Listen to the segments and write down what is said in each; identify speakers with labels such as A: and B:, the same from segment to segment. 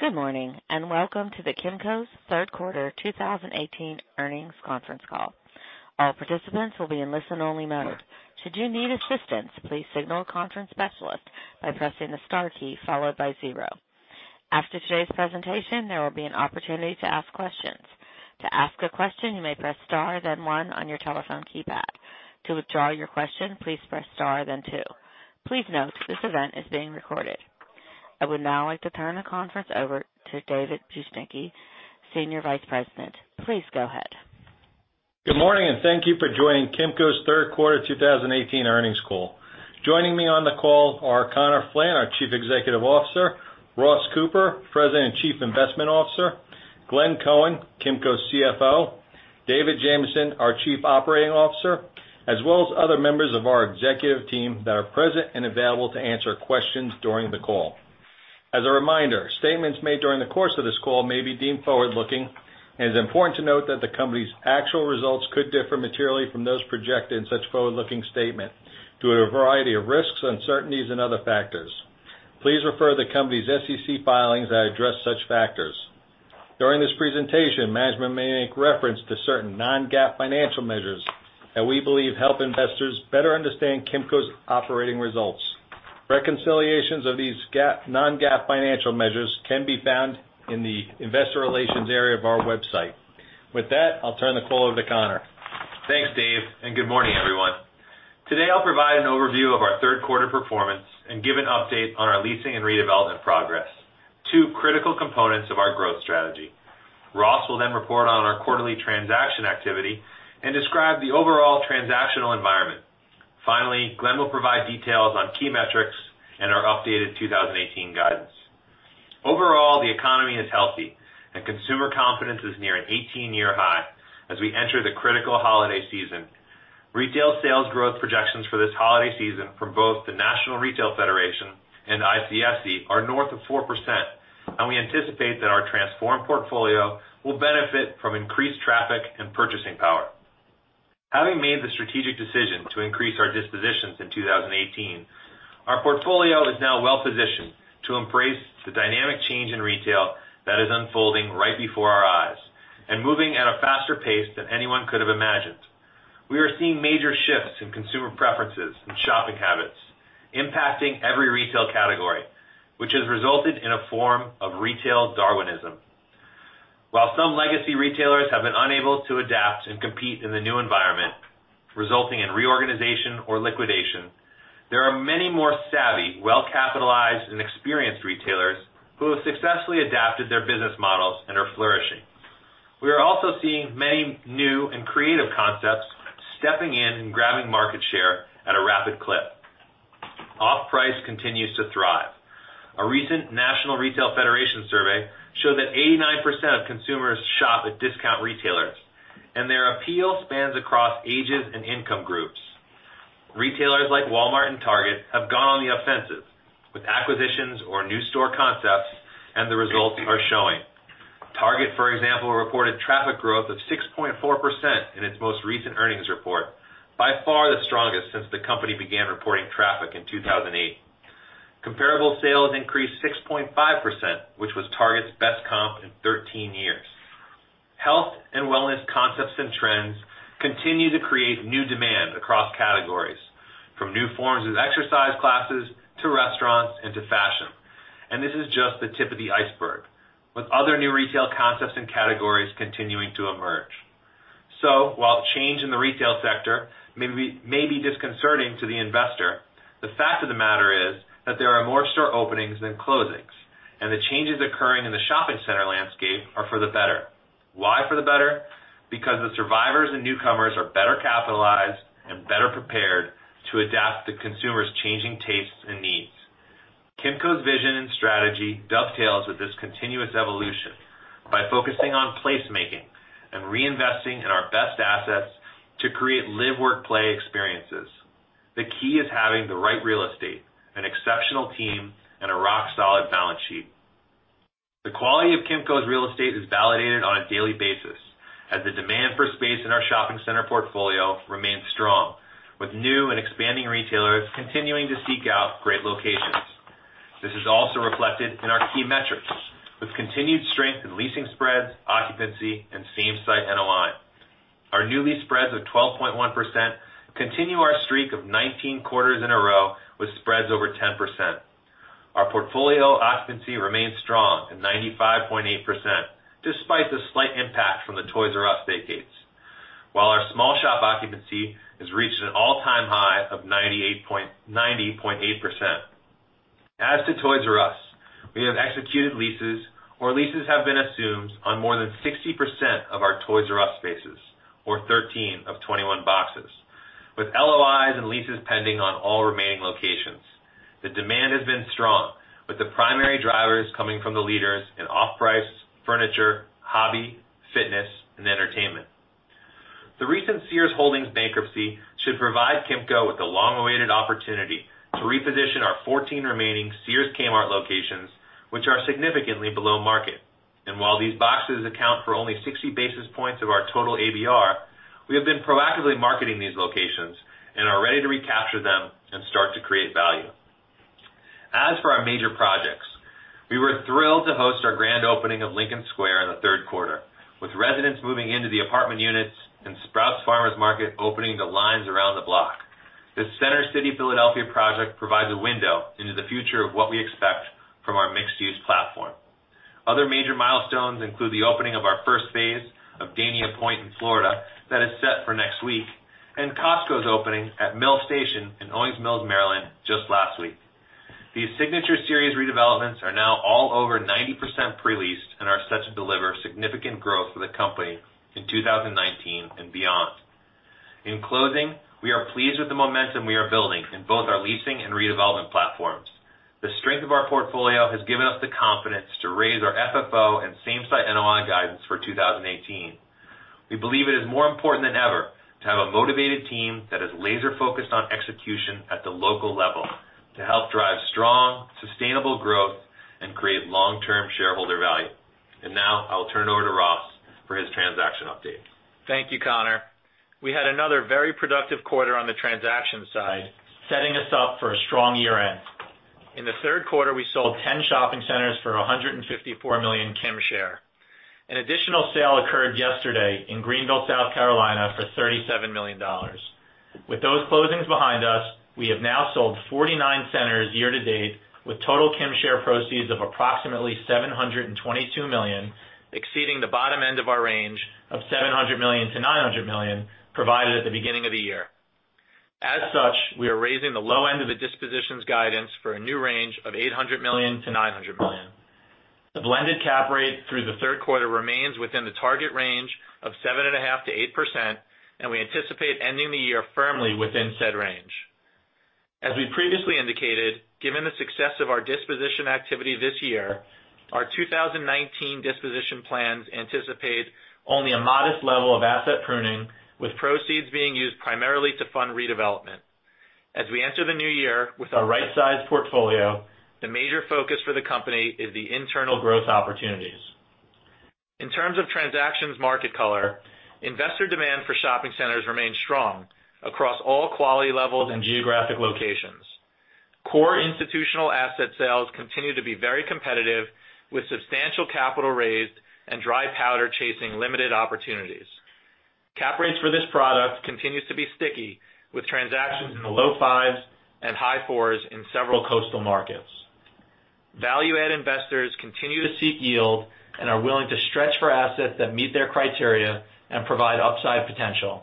A: Good morning, and welcome to Kimco's third quarter 2018 earnings conference call. All participants will be in listen only mode. Should you need assistance, please signal a conference specialist by pressing the star key followed by 0. After today's presentation, there will be an opportunity to ask questions. To ask a question, you may press star, then one on your telephone keypad. To withdraw your question, please press star then two. Please note, this event is being recorded. I would now like to turn the conference over to David Bujnicki, Senior Vice President. Please go ahead.
B: Good morning, and thank you for joining Kimco's third quarter 2018 earnings call. Joining me on the call are Conor Flynn, our chief executive officer, Ross Cooper, president and chief investment officer, Glenn Cohen, Kimco's CFO, David Jamieson, our chief operating officer, as well as other members of our executive team that are present and available to answer questions during the call. As a reminder, statements made during the course of this call may be deemed forward-looking, and it is important to note that the company's actual results could differ materially from those projected in such forward-looking statement due to a variety of risks, uncertainties, and other factors. Please refer to the company's SEC filings that address such factors. During this presentation, management may make reference to certain non-GAAP financial measures that we believe help investors better understand Kimco's operating results. Reconciliations of these non-GAAP financial measures can be found in the investor relations area of our website. With that, I'll turn the call over to Conor.
C: Thanks, Dave, and good morning, everyone. Today, I'll provide an overview of our third quarter performance and give an update on our leasing and redevelopment progress, two critical components of our growth strategy. Ross will then report on our quarterly transaction activity and describe the overall transactional environment. Finally, Glenn will provide details on key metrics and our updated 2018 guidance. Overall, the economy is healthy, and consumer confidence is near an 18-year high as we enter the critical holiday season. Retail sales growth projections for this holiday season from both the National Retail Federation and ICSC are north of 4%, and we anticipate that our transformed portfolio will benefit from increased traffic and purchasing power. Having made the strategic decision to increase our dispositions in 2018, our portfolio is now well-positioned to embrace the dynamic change in retail that is unfolding right before our eyes and moving at a faster pace than anyone could have imagined. We are seeing major shifts in consumer preferences and shopping habits, impacting every retail category, which has resulted in a form of retail Darwinism. While some legacy retailers have been unable to adapt and compete in the new environment, resulting in reorganization or liquidation, there are many more savvy, well-capitalized and experienced retailers who have successfully adapted their business models and are flourishing. We are also seeing many new and creative concepts stepping in and grabbing market share at a rapid clip. Off-price continues to thrive. A recent National Retail Federation survey showed that 89% of consumers shop at discount retailers, and their appeal spans across ages and income groups. Retailers like Walmart and Target have gone on the offensive with acquisitions or new store concepts, and the results are showing. Target, for example, reported traffic growth of 6.4% in its most recent earnings report, by far the strongest since the company began reporting traffic in 2008. Comparable sales increased 6.5%, which was Target's best comp in 13 years. This is just the tip of the iceberg. With other new retail concepts and categories continuing to emerge. While change in the retail sector may be disconcerting to the investor, the fact of the matter is that there are more store openings than closings, and the changes occurring in the shopping center landscape are for the better. Why for the better? Because the survivors and newcomers are better capitalized and better prepared to adapt to consumers' changing tastes and needs. Kimco's vision and strategy dovetails with this continuous evolution by focusing on place-making and reinvesting in our best assets to create live, work, play experiences. The key is having the right real estate, an exceptional team, and a rock-solid balance sheet. The quality of Kimco's real estate is validated on a daily basis as the demand for space in our shopping center portfolio remains strong, with new and expanding retailers continuing to seek out great locations. This is also reflected in our key metrics, with continued strength in leasing spreads, occupancy, and same-site NOI. Our new lease spreads of 12.1% continue our streak of 19 quarters in a row with spreads over 10%. Our portfolio occupancy remains strong at 95.8%, despite the slight impact from the Toys "R" Us vacates, while our small shop occupancy has reached an all-time high of 90.8%. As to Toys "R" Us, we have executed leases or leases have been assumed on more than 60% of our Toys "R" Us spaces, or 13 of 21 boxes, with LOIs and leases pending on all remaining locations. The demand has been strong, with the primary drivers coming from the leaders in off-price, furniture, hobby, fitness, and entertainment. The recent Sears Holdings bankruptcy should provide Kimco with the long-awaited opportunity to reposition our 14 remaining Sears Kmart locations, which are significantly below. While these boxes account for only 60 basis points of our total ABR, we have been proactively marketing these locations and are ready to recapture them and start to create value. As for our major projects, we were thrilled to host our grand opening of Lincoln Square in the third quarter, with residents moving into the apartment units and Sprouts Farmers Market opening to lines around the block. This Center City Philadelphia project provides a window into the future of what we expect from our mixed-use platform. Other major milestones include the opening of our first phase of Dania Pointe in Florida that is set for next week, and Costco's opening at Mill Station in Owings Mills, Maryland, just last week. These Signature Series redevelopments are now all over 90% pre-leased and are set to deliver significant growth for the company in 2019 and beyond. In closing, we are pleased with the momentum we are building in both our leasing and redevelopment platforms. The strength of our portfolio has given us the confidence to raise our FFO and same-site NOI guidance for 2018. We believe it is more important than ever to have a motivated team that is laser-focused on execution at the local level to help drive strong, sustainable growth and create long-term shareholder value. Now I will turn it over to Ross for his transaction update.
D: Thank you, Conor. We had another very productive quarter on the transaction side, setting us up for a strong year-end. In the third quarter, we sold 10 shopping centers for $154 million Kimco share. An additional sale occurred yesterday in Greenville, South Carolina, for $37 million. With those closings behind us, we have now sold 49 centers year to date, with total Kimco share proceeds of approximately $722 million, exceeding the bottom end of our range of $700 million-$900 million provided at the beginning of the year. As such, we are raising the low end of the dispositions guidance for a new range of $800 million-$900 million. The blended cap rate through the third quarter remains within the target range of seven and a half to 8%, and we anticipate ending the year firmly within said range. As we previously indicated, given the success of our disposition activity this year, our 2019 disposition plans anticipate only a modest level of asset pruning, with proceeds being used primarily to fund redevelopment. As we enter the new year with our right-sized portfolio, the major focus for the company is the internal growth opportunities. In terms of transactions market color, investor demand for shopping centers remains strong across all quality levels and geographic locations. Core institutional asset sales continue to be very competitive, with substantial capital raised and dry powder chasing limited opportunities. Cap rates for this product continues to be sticky, with transactions in the low fives and high fours in several coastal markets. Value-add investors continue to seek yield and are willing to stretch for assets that meet their criteria and provide upside potential.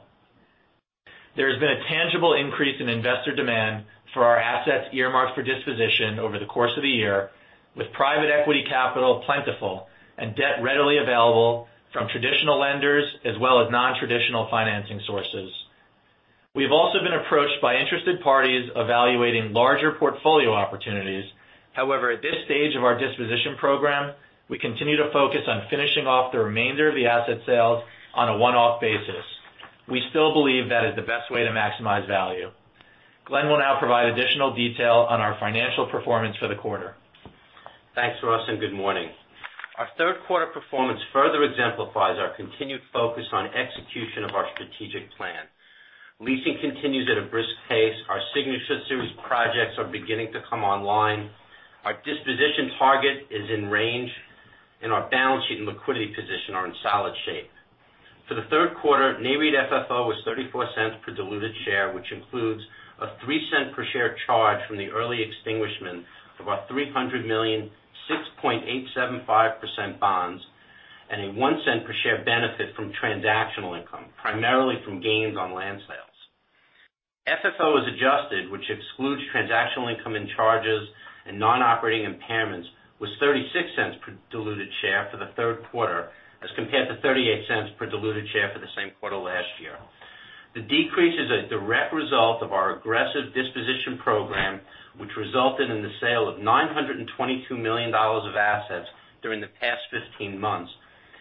D: There has been a tangible increase in investor demand for our assets earmarked for disposition over the course of the year, with private equity capital plentiful and debt readily available from traditional lenders as well as non-traditional financing sources. We have also been approached by interested parties evaluating larger portfolio opportunities. At this stage of our disposition program, we continue to focus on finishing off the remainder of the asset sales on a one-off basis. We still believe that is the best way to maximize value. Glenn will now provide additional detail on our financial performance for the quarter.
E: Thanks, Ross, good morning. Our third quarter performance further exemplifies our continued focus on execution of our strategic plan. Leasing continues at a brisk pace. Our Signature Series projects are beginning to come online. Our disposition target is in range, our balance sheet and liquidity position are in solid shape. For the third quarter, Nareit FFO was $0.34 per diluted share, which includes a $0.03 per share charge from the early extinguishment of our $300 million 6.875% bonds and a $0.01 per share benefit from transactional income, primarily from gains on land sales. FFO as adjusted, which excludes transactional income and charges and non-operating impairments, was $0.36 per diluted share for the third quarter as compared to $0.38 per diluted share for the same quarter last year. The decrease is a direct result of our aggressive disposition program, which resulted in the sale of $922 million of assets during the past 15 months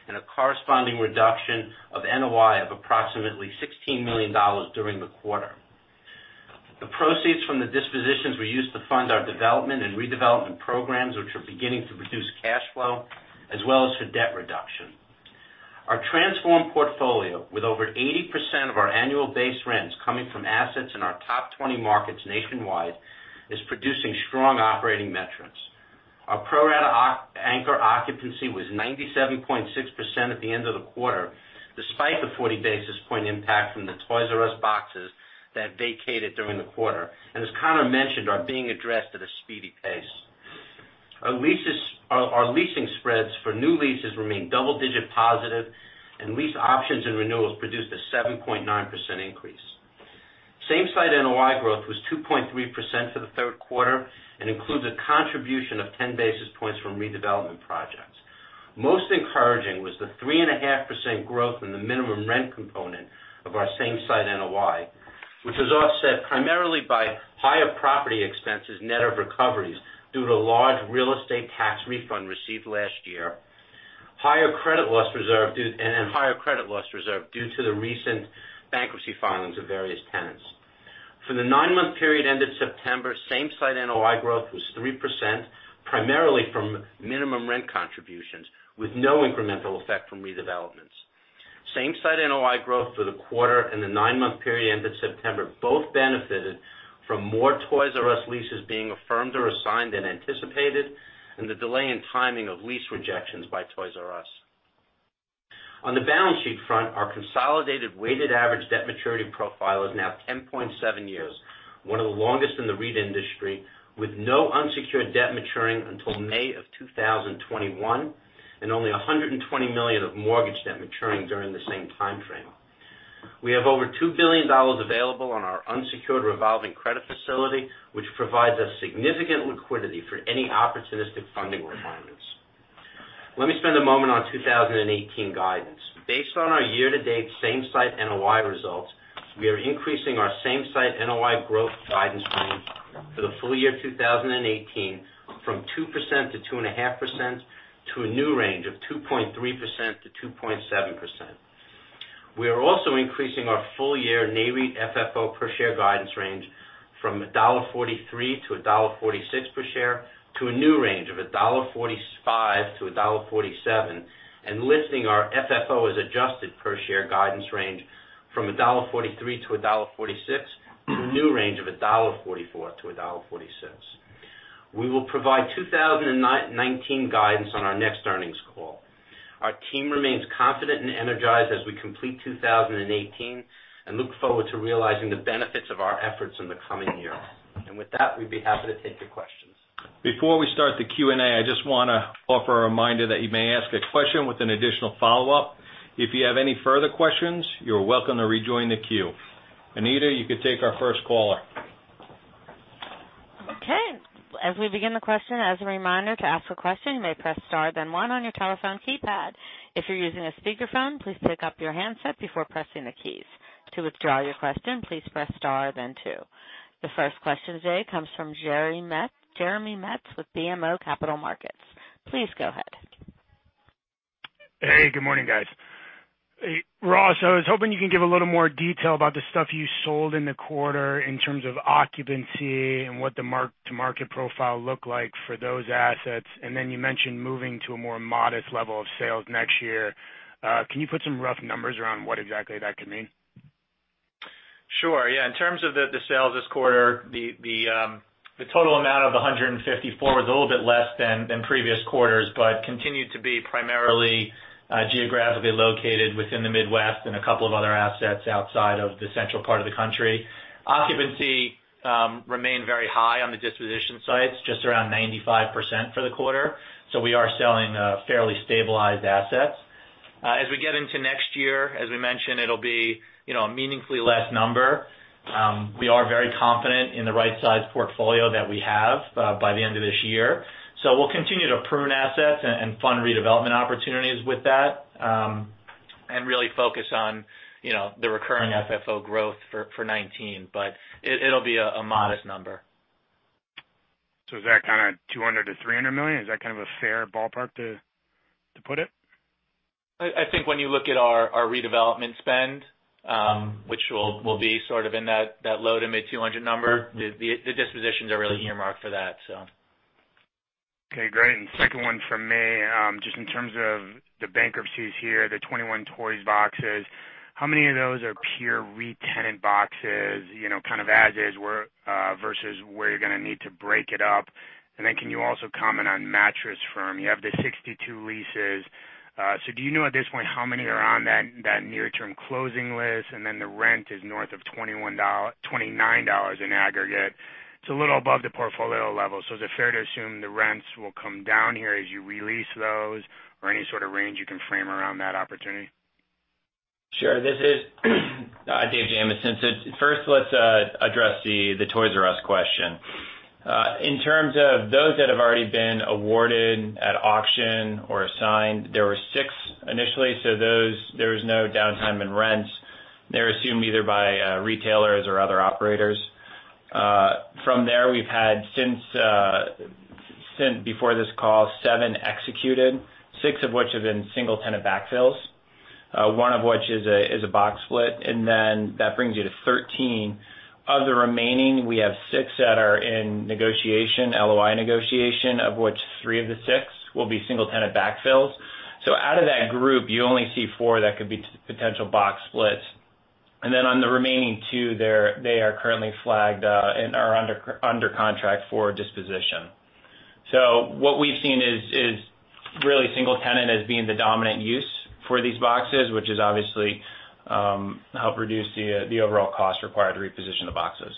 E: and a corresponding reduction of NOI of approximately $16 million during the quarter. The proceeds from the dispositions were used to fund our development and redevelopment programs, which are beginning to reduce cash flow, as well as for debt reduction. Our transformed portfolio, with over 80% of our annual base rents coming from assets in our top 20 markets nationwide, is producing strong operating metrics. Our pro rata anchor occupancy was 97.6% at the end of the quarter, despite the 40 basis point impact from the Toys "R" Us boxes that vacated during the quarter and, as Conor mentioned, are being addressed at a speedy pace. Our leasing spreads for new leases remain double-digit positive, and lease options and renewals produced a 7.9% increase. Same-site NOI growth was 2.3% for the third quarter and includes a contribution of 10 basis points from redevelopment projects. Most encouraging was the 3.5% growth in the minimum rent component of our same-site NOI, which was offset primarily by higher property expenses net of recoveries due to a large real estate tax refund received last year and higher credit loss reserve due to the recent bankruptcy filings of various tenants. For the nine-month period ended September, same-site NOI growth was 3%, primarily from minimum rent contributions, with no incremental effect from redevelopments. Same-site NOI growth for the quarter and the nine-month period ended September both benefited from more Toys "R" Us leases being affirmed or assigned than anticipated, and the delay in timing of lease rejections by Toys "R" Us. On the balance sheet front, our consolidated weighted average debt maturity profile is now 10.7 years, one of the longest in the REIT industry, with no unsecured debt maturing until May of 2021, and only $120 million of mortgage debt maturing during the same timeframe. We have over $2 billion available on our unsecured revolving credit facility, which provides us significant liquidity for any opportunistic funding requirements. Let me spend a moment on 2018 guidance. Based on our year-to-date same-site NOI results, we are increasing our same-site NOI growth guidance range for the full year 2018 from 2%-2.5% to a new range of 2.3%-2.7%. We are also increasing our full-year Nareit FFO per share guidance range from $1.43-$1.46 per share to a new range of $1.45-$1.47, and lifting our FFO as adjusted per share guidance range from $1.43-$1.46 to a new range of $1.44-$1.46. We will provide 2019 guidance on our next earnings call. Our team remains confident and energized as we complete 2018 and look forward to realizing the benefits of our efforts in the coming year. With that, we'd be happy to take your questions.
B: Before we start the Q&A, I just want to offer a reminder that you may ask a question with an additional follow-up. If you have any further questions, you're welcome to rejoin the queue. Anita, you can take our first caller.
A: Okay. As we begin the question, as a reminder to ask a question, you may press star then one on your telephone keypad. If you're using a speakerphone, please pick up your handset before pressing the keys. To withdraw your question, please press star then two. The first question today comes from Jeremy Metz with BMO Capital Markets. Please go ahead.
F: Hey, good morning, guys. Ross, I was hoping you can give a little more detail about the stuff you sold in the quarter in terms of occupancy and what the mark-to-market profile looked like for those assets. You mentioned moving to a more modest level of sales next year. Can you put some rough numbers around what exactly that could mean?
D: Sure. Yeah. In terms of the sales this quarter, the total amount of $154 was a little bit less than previous quarters, but continued to be primarily geographically located within the Midwest and a couple of other assets outside of the central part of the country. Occupancy remained very high on the disposition sites, just around 95% for the quarter. We are selling fairly stabilized assets. As we get into next year, as we mentioned, it'll be a meaningfully less number. We are very confident in the right-sized portfolio that we have by the end of this year. We'll continue to prune assets and fund redevelopment opportunities with that, and really focus on the recurring FFO growth for 2019. It'll be a modest number.
F: Is that kind of $200 million-$300 million? Is that kind of a fair ballpark to put it?
D: I think when you look at our redevelopment spend, which will be sort of in that low to mid-$200 number, the dispositions are really earmarked for that.
F: Okay, great. Second one from me, just in terms of the bankruptcies here, the 21 Toys boxes, how many of those are pure re-tenant boxes, kind of as is, versus where you're going to need to break it up? Can you also comment on Mattress Firm? You have the 62 leases. Do you know at this point how many are on that near-term closing list? The rent is north of $29 in aggregate. It's a little above the portfolio level. Is it fair to assume the rents will come down here as you re-lease those or any sort of range you can frame around that opportunity?
G: Sure. This is Dave Jamieson. First let's address the Toys R Us question. In terms of those that have already been awarded at auction or assigned, there were six initially. Those, there was no downtime in rents. They're assumed either by retailers or other operators. From there, we've had, since before this call, seven executed, six of which have been single-tenant back fills, one of which is a box split, that brings you to 13. Of the remaining, we have six that are in negotiation, LOI negotiation, of which three of the six will be single-tenant back fills. Out of that group, you only see four that could be potential box splits. On the remaining two, they are currently flagged and are under contract for disposition. What we've seen is really single tenant as being the dominant use for these boxes, which obviously help reduce the overall cost required to reposition the boxes.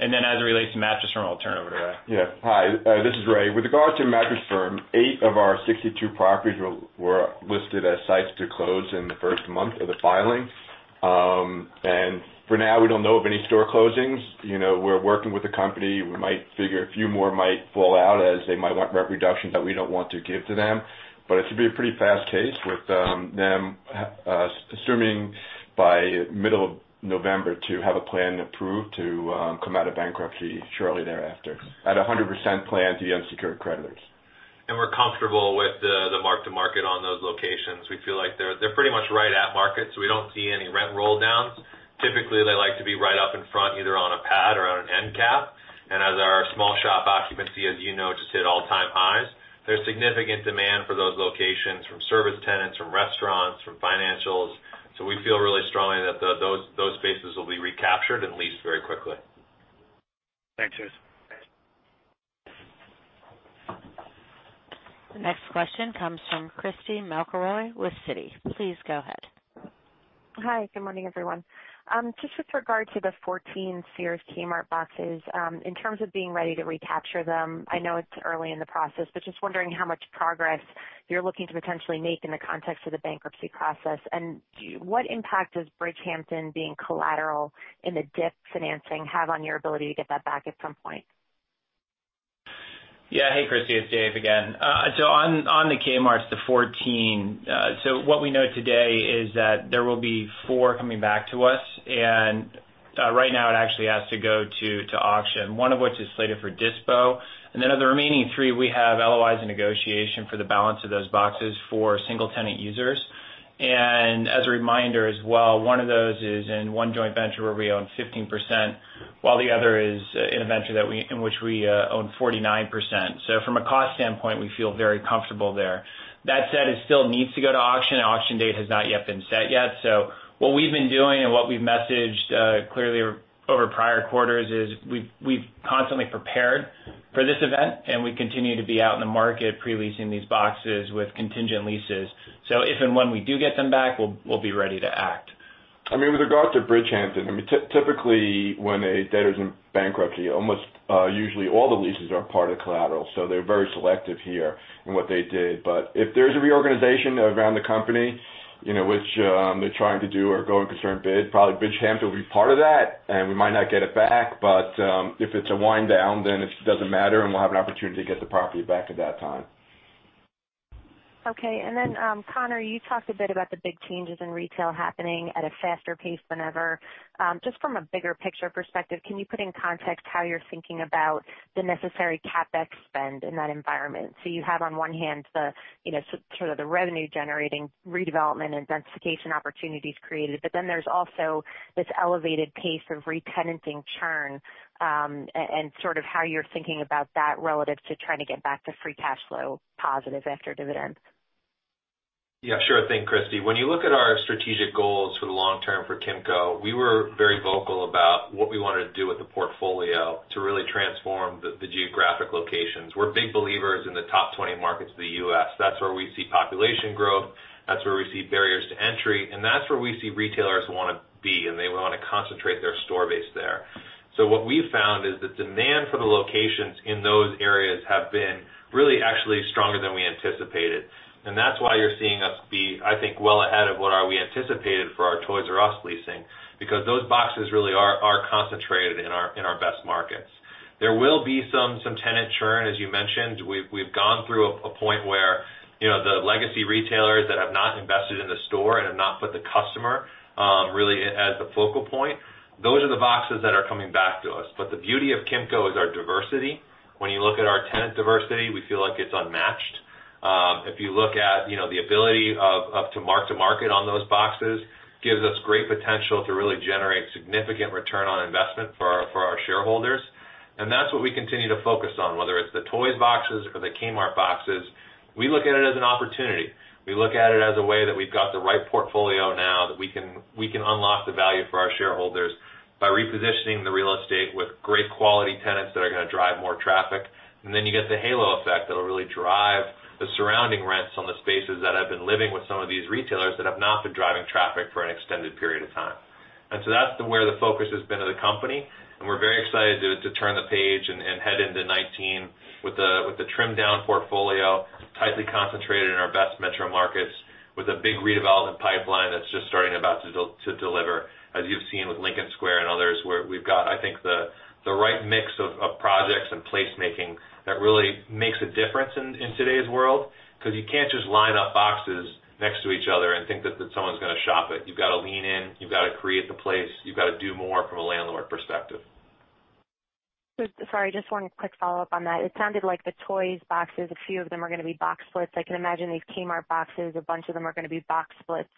G: As it relates to Mattress Firm, I'll turn it over to Ray.
H: Yeah. Hi, this is Ray. With regards to Mattress Firm, eight of our 62 properties were listed as sites to close in the first month of the filing. For now, we don't know of any store closings. We're working with the company. We might figure a few more might fall out as they might want rent reduction that we don't want to give to them. It should be a pretty fast case with them, assuming by middle of November to have a plan approved to come out of bankruptcy shortly thereafter at 100% plan to the unsecured creditors. We're comfortable with the mark to market on those locations. We feel like they're pretty much right at market, we don't see any rent roll downs. Typically, they like to be right up in front, either on a pad or on an end cap. As our small shop occupancy, as you know, just hit all-time highs. There's significant demand for those locations from service tenants, from restaurants, from financials. We feel really strongly that those spaces will be recaptured and leased very quickly.
F: Thanks, guys.
A: The next question comes from Christy McElroy with Citi. Please go ahead.
I: Hi, good morning, everyone. Just with regard to the 14 Sears Kmart boxes, in terms of being ready to recapture them, I know it's early in the process, but just wondering how much progress you're looking to potentially make in the context of the bankruptcy process. What impact does Bridgehampton being collateral in the DIP financing have on your ability to get that back at some point?
G: Yeah. Hey, Christy, it's Dave again. On the Kmarts, the 14, what we know today is that there will be four coming back to us, and right now it actually has to go to auction, one of which is slated for dispo. Of the remaining three, we have LOIs in negotiation for the balance of those boxes for single-tenant users. As a reminder as well, one of those is in one joint venture where we own 15%, while the other is in a venture in which we own 49%. From a cost standpoint, we feel very comfortable there. That said, it still needs to go to auction, and auction date has not yet been set yet. What we've been doing and what we've messaged clearly over prior quarters is we've constantly prepared for this event, and we continue to be out in the market pre-leasing these boxes with contingent leases. If and when we do get them back, we'll be ready to act. With regards to Bridgehampton, typically, when a debtor's in bankruptcy, almost usually all the leases are part of collateral. They're very selective here in what they did. If there's a reorganization around the company, which they're trying to do or going concern bid, probably Bridgehampton will be part of that, and we might not get it back. If it's a wind down, then it doesn't matter, and we'll have an opportunity to get the property back at that time.
I: Okay. Conor, you talked a bit about the big changes in retail happening at a faster pace than ever. Just from a bigger picture perspective, can you put in context how you're thinking about the necessary CapEx spend in that environment? You have on one hand the sort of the revenue-generating redevelopment and densification opportunities created, but then there's also this elevated pace of re-tenanting churn, and sort of how you're thinking about that relative to trying to get back to free cash flow positive after dividends.
C: Yeah, sure thing, Christy. When you look at our strategic goals for the long term for Kimco, we were very vocal about what we wanted to do with the portfolio to really transform the geographic locations. We're big believers in the top 20 markets of the U.S. That's where we see population growth, that's where we see barriers to entry, and that's where we see retailers want to be, and they want to concentrate their store base there. What we found is that demand for the locations in those areas have been really actually stronger than we anticipated. That's why you're seeing us be, I think, well ahead of what are we anticipated for our Toys "R" Us leasing, because those boxes really are concentrated in our best markets. There will be some tenant churn, as you mentioned. We've gone through a point where the legacy retailers that have not invested in the store and have not put the customer really as the focal point. Those are the boxes that are coming back to us. The beauty of Kimco is our diversity. When you look at our tenant diversity, we feel like it's unmatched. If you look at the ability to mark to market on those boxes gives us great potential to really generate significant return on investment for our shareholders. That's what we continue to focus on, whether it's the Toys boxes or the Kmart boxes. We look at it as an opportunity. We look at it as a way that we've got the right portfolio now that we can unlock the value for our shareholders by repositioning the real estate with great quality tenants that are going to drive more traffic. You get the halo effect that'll really drive the surrounding rents on the spaces that have been living with some of these retailers that have not been driving traffic for an extended period of time. That's where the focus has been of the company, and we're very excited to turn the page and head into 2019 with the trimmed-down portfolio, tightly concentrated in our best metro markets with a big redevelopment pipeline that's just starting about to deliver, as you've seen with Lincoln Square and others, where we've got, I think, the right mix of projects and place-making that really makes a difference in today's world. Because you can't just line up boxes next to each other and think that someone's going to shop it. You've got to lean in, you've got to create the place, you've got to do more from a landlord perspective.
I: Sorry, just one quick follow-up on that. It sounded like the Toys boxes, a few of them are going to be box splits. I can imagine these Kmart boxes, a bunch of them are going to be box splits.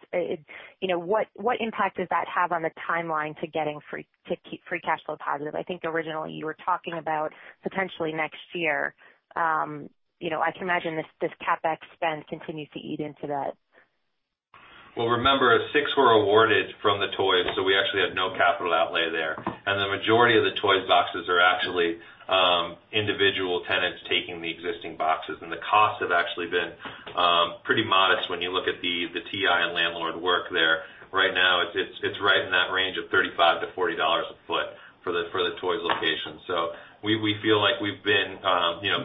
I: What impact does that have on the timeline to getting free cash flow positive? I think originally you were talking about potentially next year. I can imagine this CapEx spend continues to eat into that.
G: Well, remember, six were awarded from the Toys, we actually have no capital outlay there. The majority of the Toys boxes are actually individual tenants taking the existing boxes, and the costs have actually been pretty modest when you look at the TI and landlord work there. Right now, it's right in that range of $35-$40 a foot for the Toys location. We feel like we've been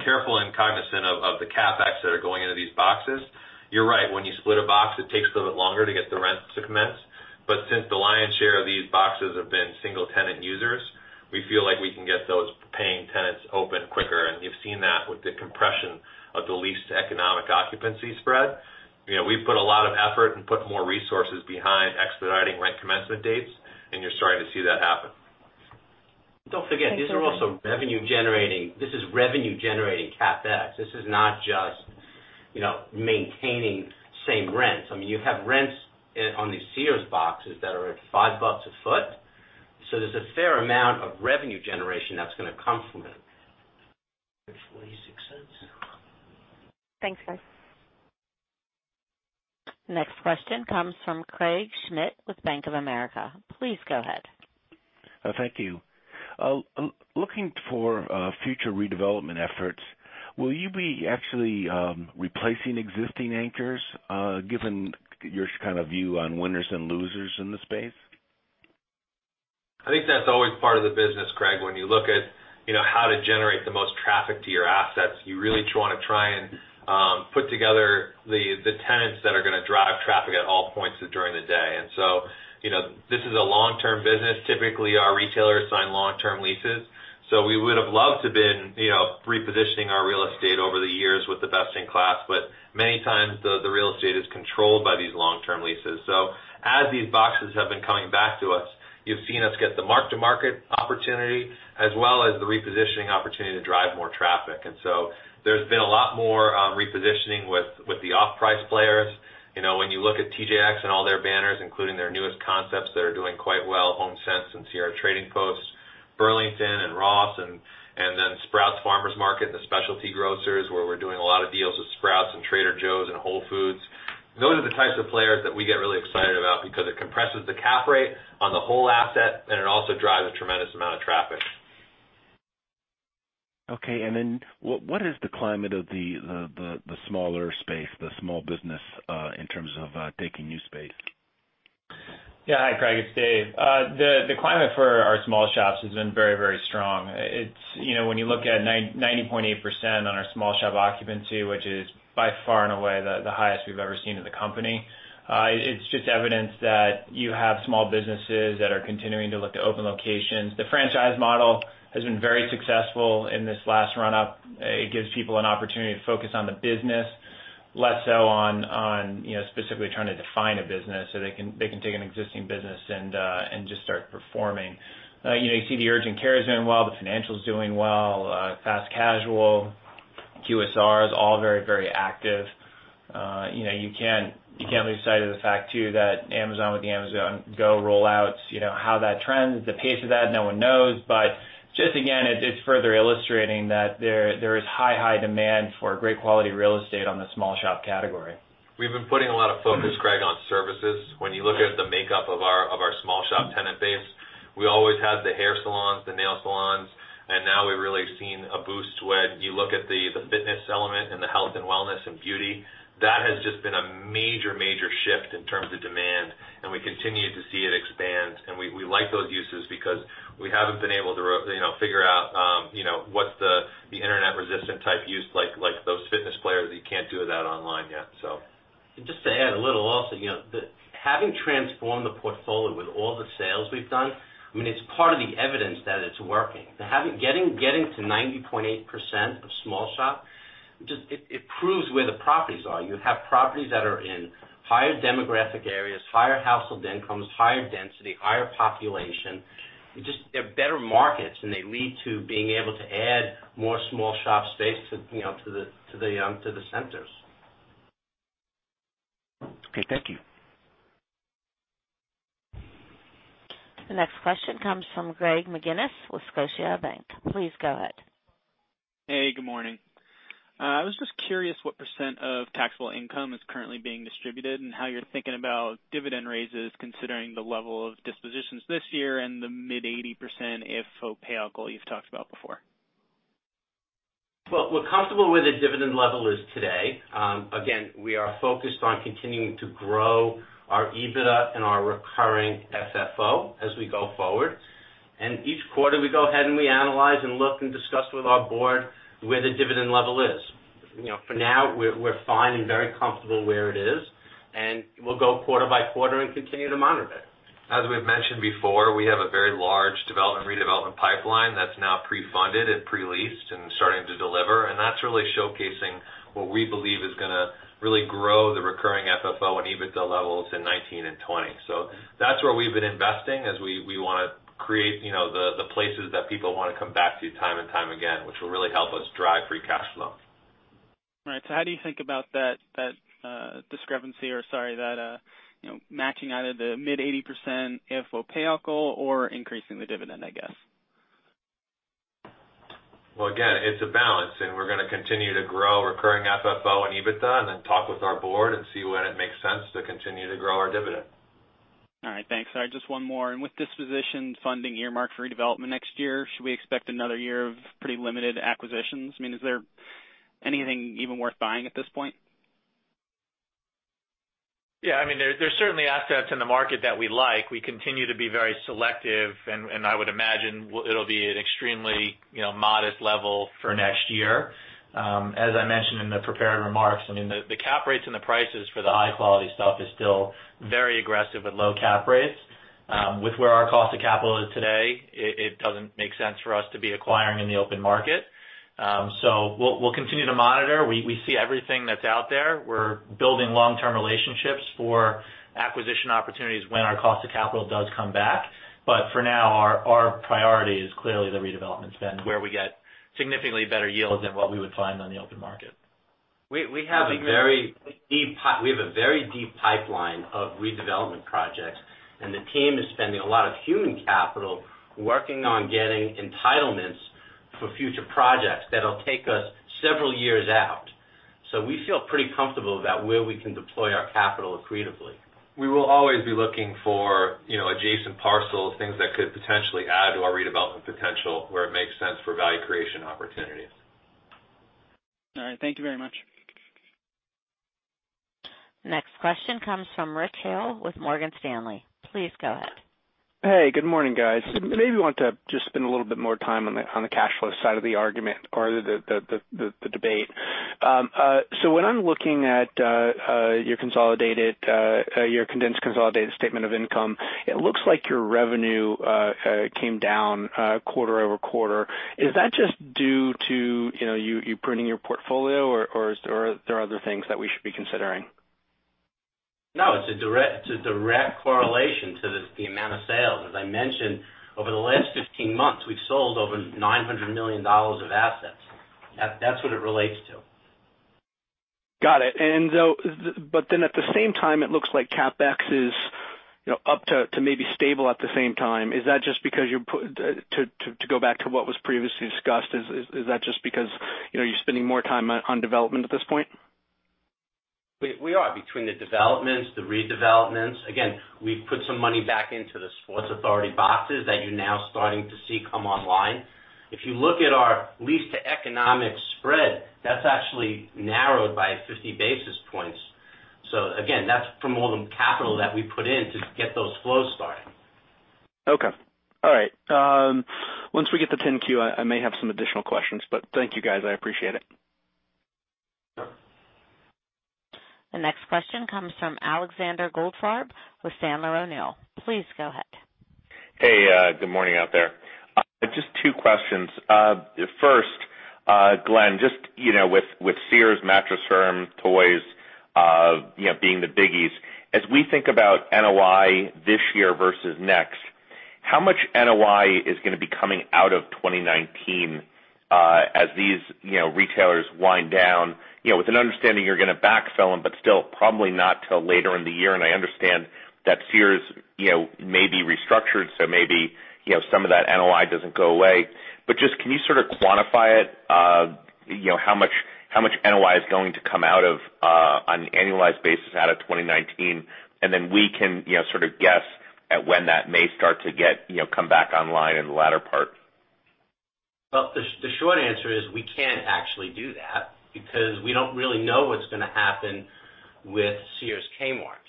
G: careful and cognizant of the CapEx that are going into these boxes. You're right. When you split a box, it takes a little bit longer to get the rents to commence. Since the lion's share of these boxes have been single-tenant users, we feel like we can get those paying tenants open quicker, and you've seen that with the compression of the leased economic occupancy spread. We've put a lot of effort and put more resources behind expediting rent commencement dates, and you're starting to see that happen.
D: Don't forget, these are also revenue-generating. This is revenue-generating CapEx. This is not just maintaining same rents. You have rents on these Sears boxes that are at $5 a foot. There's a fair amount of revenue generation that's going to come from it.
E: $0.46.
I: Thanks, guys.
A: Next question comes from Craig Schmidt with Bank of America. Please go ahead.
J: Thank you. Looking for future redevelopment efforts, will you be actually replacing existing anchors, given your kind of view on winners and losers in the space?
C: I think that's always part of the business, Craig. When you look at how to generate the most traffic to your assets, you really want to try and put together the tenants that are going to drive traffic at all points during the day. This is a long-term business. Typically, our retailers sign long-term leases. We would've loved to been repositioning our real estate over the years with the best in class. Many times, the real estate is controlled by these long-term leases. As these boxes have been coming back to us, you've seen us get the market-to-market opportunity as well as the repositioning opportunity to drive more traffic. There's been a lot more repositioning with the off-price players. When you look at TJX and all their banners, including their newest concepts that are doing quite well, HomeSense and Sierra Trading Post, Burlington and Ross and then Sprouts Farmers Market and the specialty grocers where we're doing a lot of deals with Sprouts and Trader Joe's and Whole Foods. Those are the types of players that we get really excited about because it compresses the cap rate on the whole asset, and it also drives a tremendous amount of traffic.
J: Okay, what is the climate of the smaller space, the small business, in terms of taking new space?
G: Yeah. Hi, Craig. It's Dave. The climate for our small shops has been very strong. When you look at 90.8% on our small shop occupancy, which is by far and away the highest we've ever seen in the company, it's just evidence that you have small businesses that are continuing to look to open locations. The franchise model has been very successful in this last run-up. It gives people an opportunity to focus on the business, less so on specifically trying to define a business so they can take an existing business and just start performing. You see the urgent care has been well, the financial's doing well, fast casual, QSR is all very active. You can't lose sight of the fact, too, that Amazon with the Amazon Go rollouts, how that trends, the pace of that, no one knows. Just again, it's further illustrating that there is high demand for great quality real estate on the small shop category.
C: We've been putting a lot of focus, Craig, on services. When you look at the makeup of our small shop tenant base, we always had the hair salons, the nail salons, now we're really seeing a boost when you look at the fitness element and the health and wellness and beauty. That has just been a major shift in terms of demand, we continue to see it expand. We like those uses because we haven't been able to figure out what's the internet-resistant type use like those fitness players. You can't do that online yet.
D: Just to add a little also. Having transformed the portfolio with all the sales we've done, it's part of the evidence that it's working. Getting to 90.8% of small shop, it proves where the properties are. You have properties that are in higher demographic areas, higher household incomes, higher density, higher population. They're better markets, they lead to being able to add more small shop space to the centers.
J: Okay, thank you.
A: The next question comes from Greg McGinnis with Scotiabank. Please go ahead.
K: Hey, good morning. I was just curious what % of taxable income is currently being distributed and how you're thinking about dividend raises, considering the level of dispositions this year and the mid 80% FFO payout goal you've talked about before.
E: Well, we're comfortable where the dividend level is today. Again, we are focused on continuing to grow our EBITDA and our recurring FFO as we go forward. Each quarter, we go ahead, and we analyze and look and discuss with our board where the dividend level is. For now, we're fine and very comfortable where it is, and we'll go quarter by quarter and continue to monitor it.
C: As we've mentioned before, we have a very large development, redevelopment pipeline that's now pre-funded and pre-leased and starting to deliver, and that's really showcasing what we believe is going to really grow the recurring FFO and EBITDA levels in 2019 and 2020. That's where we've been investing as we want to create the places that people want to come back to time and time again, which will really help us drive free cash flow.
K: Right. How do you think about that discrepancy or, sorry, that matching either the mid 80% FFO payout goal or increasing the dividend, I guess?
C: Well, again, it's a balance, and we're going to continue to grow recurring FFO and EBITDA and then talk with our board and see when it makes sense to continue to grow our dividend.
K: All right. Thanks. Just one more. With disposition funding earmarked for redevelopment next year, should we expect another year of pretty limited acquisitions? Is there anything even worth buying at this point?
D: Yeah. There's certainly assets in the market that we like. We continue to be very selective, and I would imagine it'll be an extremely modest level for next year. As I mentioned in the prepared remarks, the cap rates and the prices for the high-quality stuff is still very aggressive with low cap rates. With where our cost of capital is today, it doesn't make sense for us to be acquiring in the open market. So we'll continue to monitor. We see everything that's out there. We're building long-term relationships for acquisition opportunities when our cost of capital does come back. For now, our priority is clearly the redevelopment spend where we get significantly better yields than what we would find on the open market.
C: We have a very deep pipeline of redevelopment projects, and the team is spending a lot of human capital working on getting entitlements for future projects that'll take us several years out. We feel pretty comfortable about where we can deploy our capital creatively.
D: We will always be looking for adjacent parcels, things that could potentially add to our redevelopment potential, where it makes sense for value creation opportunities.
K: All right. Thank you very much.
A: Next question comes from Rich Hill with Morgan Stanley. Please go ahead.
L: Hey, good morning, guys. Maybe want to just spend a little bit more time on the cash flow side of the argument or the debate. When I'm looking at your condensed consolidated statement of income, it looks like your revenue came down quarter-over-quarter. Is that just due to you pruning your portfolio or are there other things that we should be considering?
E: No, it's a direct correlation to the amount of sales. As I mentioned, over the last 15 months, we've sold over $900 million of assets. That's what it relates to.
L: Got it. At the same time, it looks like CapEx is up to maybe stable at the same time. To go back to what was previously discussed, is that just because you're spending more time on development at this point?
E: We are. Between the developments, the redevelopments. Again, we've put some money back into the Sports Authority boxes that you're now starting to see come online. If you look at our lease to economic spread, that's actually narrowed by 50 basis points. Again, that's from all the capital that we put in to get those flows starting.
L: Okay. All right. Once we get the 10-Q, I may have some additional questions, thank you, guys. I appreciate it.
A: The next question comes from Alexander Goldfarb with Sandler O'Neill. Please go ahead.
M: Hey, good morning out there. Just two questions. First, Glenn, just with Sears, Mattress Firm, Toys being the biggies, as we think about NOI this year versus next, how much NOI is going to be coming out of 2019 as these retailers wind down? I understand that Sears may be restructured, so maybe some of that NOI doesn't go away. Just can you sort of quantify it, how much NOI is going to come out of an annualized basis out of 2019? We can sort of guess at when that may start to come back online in the latter part.
E: Well, the short answer is we can't actually do that because we don't really know what's going to happen with Sears Kmart.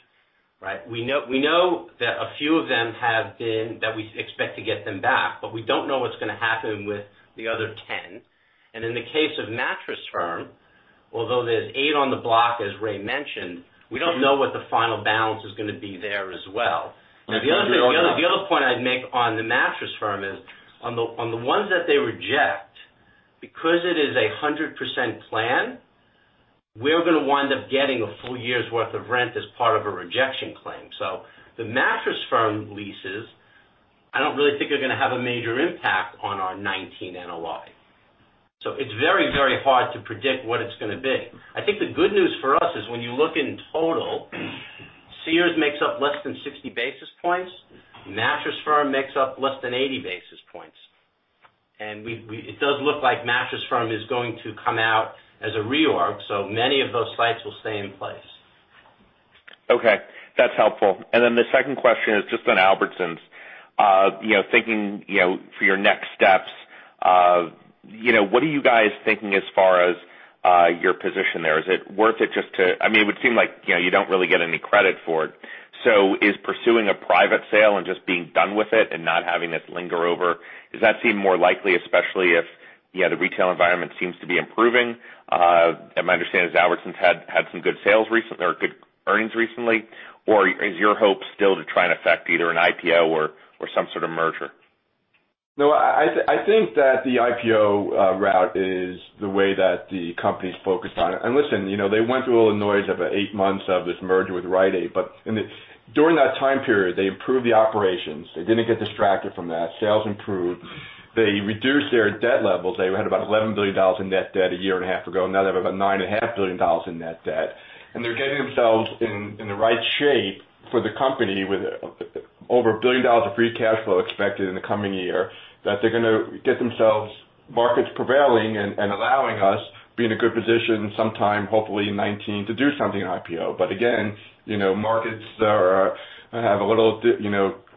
E: We know that a few of them we expect to get them back, but we don't know what's going to happen with the other 10. In the case of Mattress Firm, although there's eight on the block, as Ray mentioned, we don't know what the final balance is going to be there as well. The other point I'd make on the Mattress Firm is on the ones that they reject, because it is 100% plan, we're going to wind up getting a full year's worth of rent as part of a rejection claim. The Mattress Firm leases, I don't really think are going to have a major impact on our 2019 NOI. It's very hard to predict what it's going to be. I think the good news for us is when you look in total, Sears makes up less than 60 basis points. Mattress Firm makes up less than 80 basis points. It does look like Mattress Firm is going to come out as a reorg, many of those sites will stay in place.
M: Okay. That's helpful. The second question is just on Albertsons. Thinking for your next steps, what are you guys thinking as far as your position there? I mean, it would seem like you don't really get any credit for it. Is pursuing a private sale and just being done with it and not having it linger over, does that seem more likely, especially if the retail environment seems to be improving? My understanding is Albertsons had some good sales recently or good earnings recently. Is your hope still to try and effect either an IPO or some sort of merger?
C: No, I think that the IPO route is the way that the company's focused on it. Listen, they went through all the noise of eight months of this merger with Rite Aid, during that time period, they improved the operations. They didn't get distracted from that. Sales improved. They reduced their debt levels. They had about $11 billion in net debt a year and a half ago. Now they have about $9.5 billion in net debt, they're getting themselves in the right shape for the company with over $1 billion of free cash flow expected in the coming year, that they're going to get themselves markets prevailing and allowing us be in a good position sometime, hopefully in 2019, to do something IPO. Again, markets have a little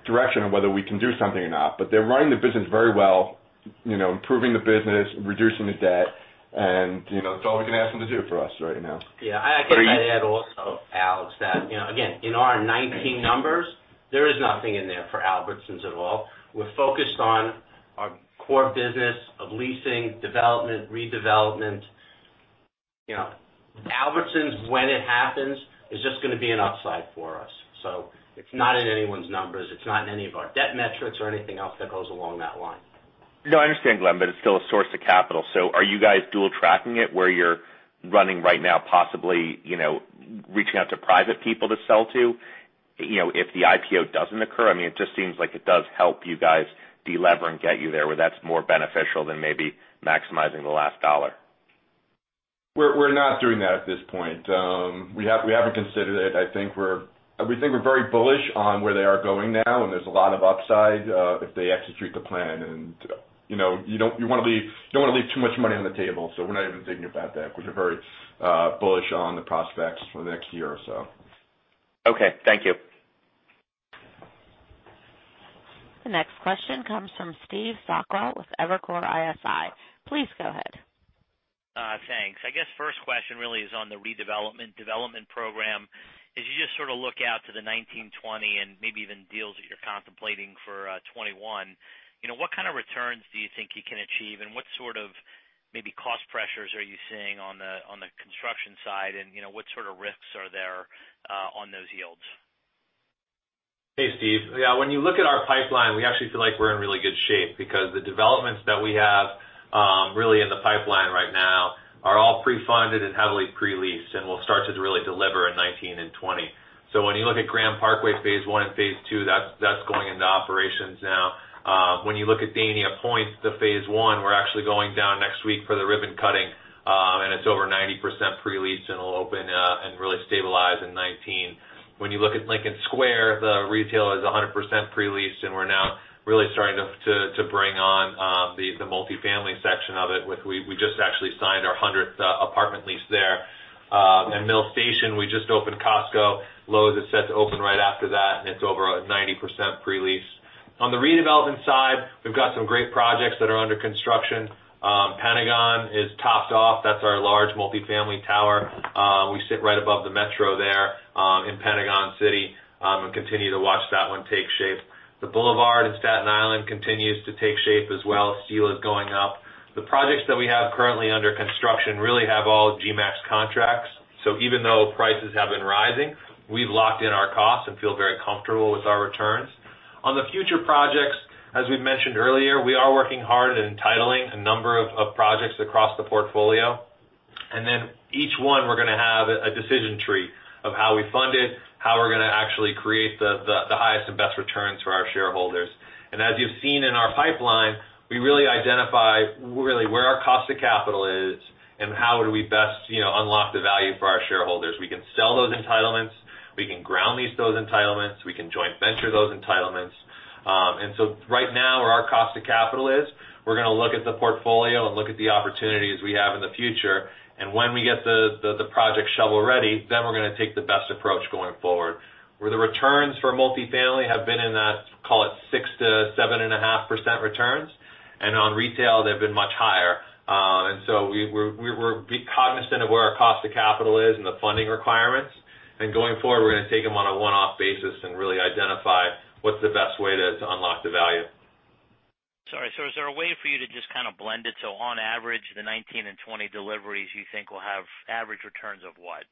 C: direction of whether we can do something or not, they're running the business very well, improving the business, reducing the debt, it's all we can ask them to do for us right now.
E: Yeah, I guess I'd add also, Alex, that again, in our 2019 numbers, there is nothing in there for Albertsons at all. We're focused on our core business of leasing, development, redevelopment. Albertsons, when it happens, is just going to be an upside for us. It's not in anyone's numbers, it's not in any of our debt metrics or anything else that goes along that line.
M: I understand, Glenn, but it's still a source of capital. Are you guys dual tracking it where you're running right now, possibly, reaching out to private people to sell to, if the IPO doesn't occur? It just seems like it does help you guys de-lever and get you there, where that's more beneficial than maybe maximizing the last dollar.
C: We're not doing that at this point. We haven't considered it. We think we're very bullish on where they are going now, and there's a lot of upside, if they execute the plan. You don't want to leave too much money on the table. We're not even thinking about that because we're very bullish on the prospects for the next year or so.
M: Okay, thank you.
A: The next question comes from Steve Sakwa with Evercore ISI. Please go ahead.
N: Thanks. I guess first question really is on the redevelopment program. As you just sort of look out to the 2019, 2020, and maybe even deals that you're contemplating for 2021, what kind of returns do you think you can achieve, and what sort of maybe cost pressures are you seeing on the construction side, and what sort of risks are there on those yields?
C: Hey, Steve. Yeah, when you look at our pipeline, we actually feel like we're in really good shape because the developments that we have really in the pipeline right now are all pre-funded and heavily pre-leased and will start to really deliver in 2019 and 2020. When you look at Grand Parkway, phase 1 and phase 2, that's going into operations now. When you look at Dania Pointe, the phase 1, we're actually going down next week for the ribbon cutting, and it's over 90% pre-leased, and it'll open, and really stabilize in 2019. When you look at Lincoln Square, the retail is 100% pre-leased, and we're now really starting to bring on, the multifamily section of it. We just actually signed our 100th apartment lease there. Mill Station, we just opened Costco. Lowe's is set to open right after that, and it's over a 90% pre-lease. On the redevelopment side, we've got some great projects that are under construction. Pentagon Centre is topped off. That's our large multifamily tower. We sit right above the Metro there, in Pentagon City, and continue to watch that one take shape. The Boulevard in Staten Island continues to take shape as well. Steel is going up. The projects that we have currently under construction really have all GMax contracts. Even though prices have been rising, we've locked in our costs and feel very comfortable with our returns. On the future projects, as we've mentioned earlier, we are working hard at entitling a number of projects across the portfolio. Each one, we're going to have a decision tree of how we fund it, how we're going to actually create the highest and best returns for our shareholders. As you've seen in our pipeline, we really identify where our cost of capital is and how do we best unlock the value for our shareholders. We can sell those entitlements. We can ground lease those entitlements. We can joint venture those entitlements. Right now, where our cost of capital is, we're going to look at the portfolio and look at the opportunities we have in the future, and when we get the project shovel-ready, then we're going to take the best approach going forward, where the returns for multifamily have been in that, call it 6%-7.5% returns, and on retail, they've been much higher. We're cognizant of where our cost of capital is and the funding requirements. Going forward, we're going to take them on a one-off basis and really identify what's the best way to unlock the value.
N: Sorry. Is there a way for you to just kind of blend it so on average, the 2019 and 2020 deliveries you think will have average returns of what?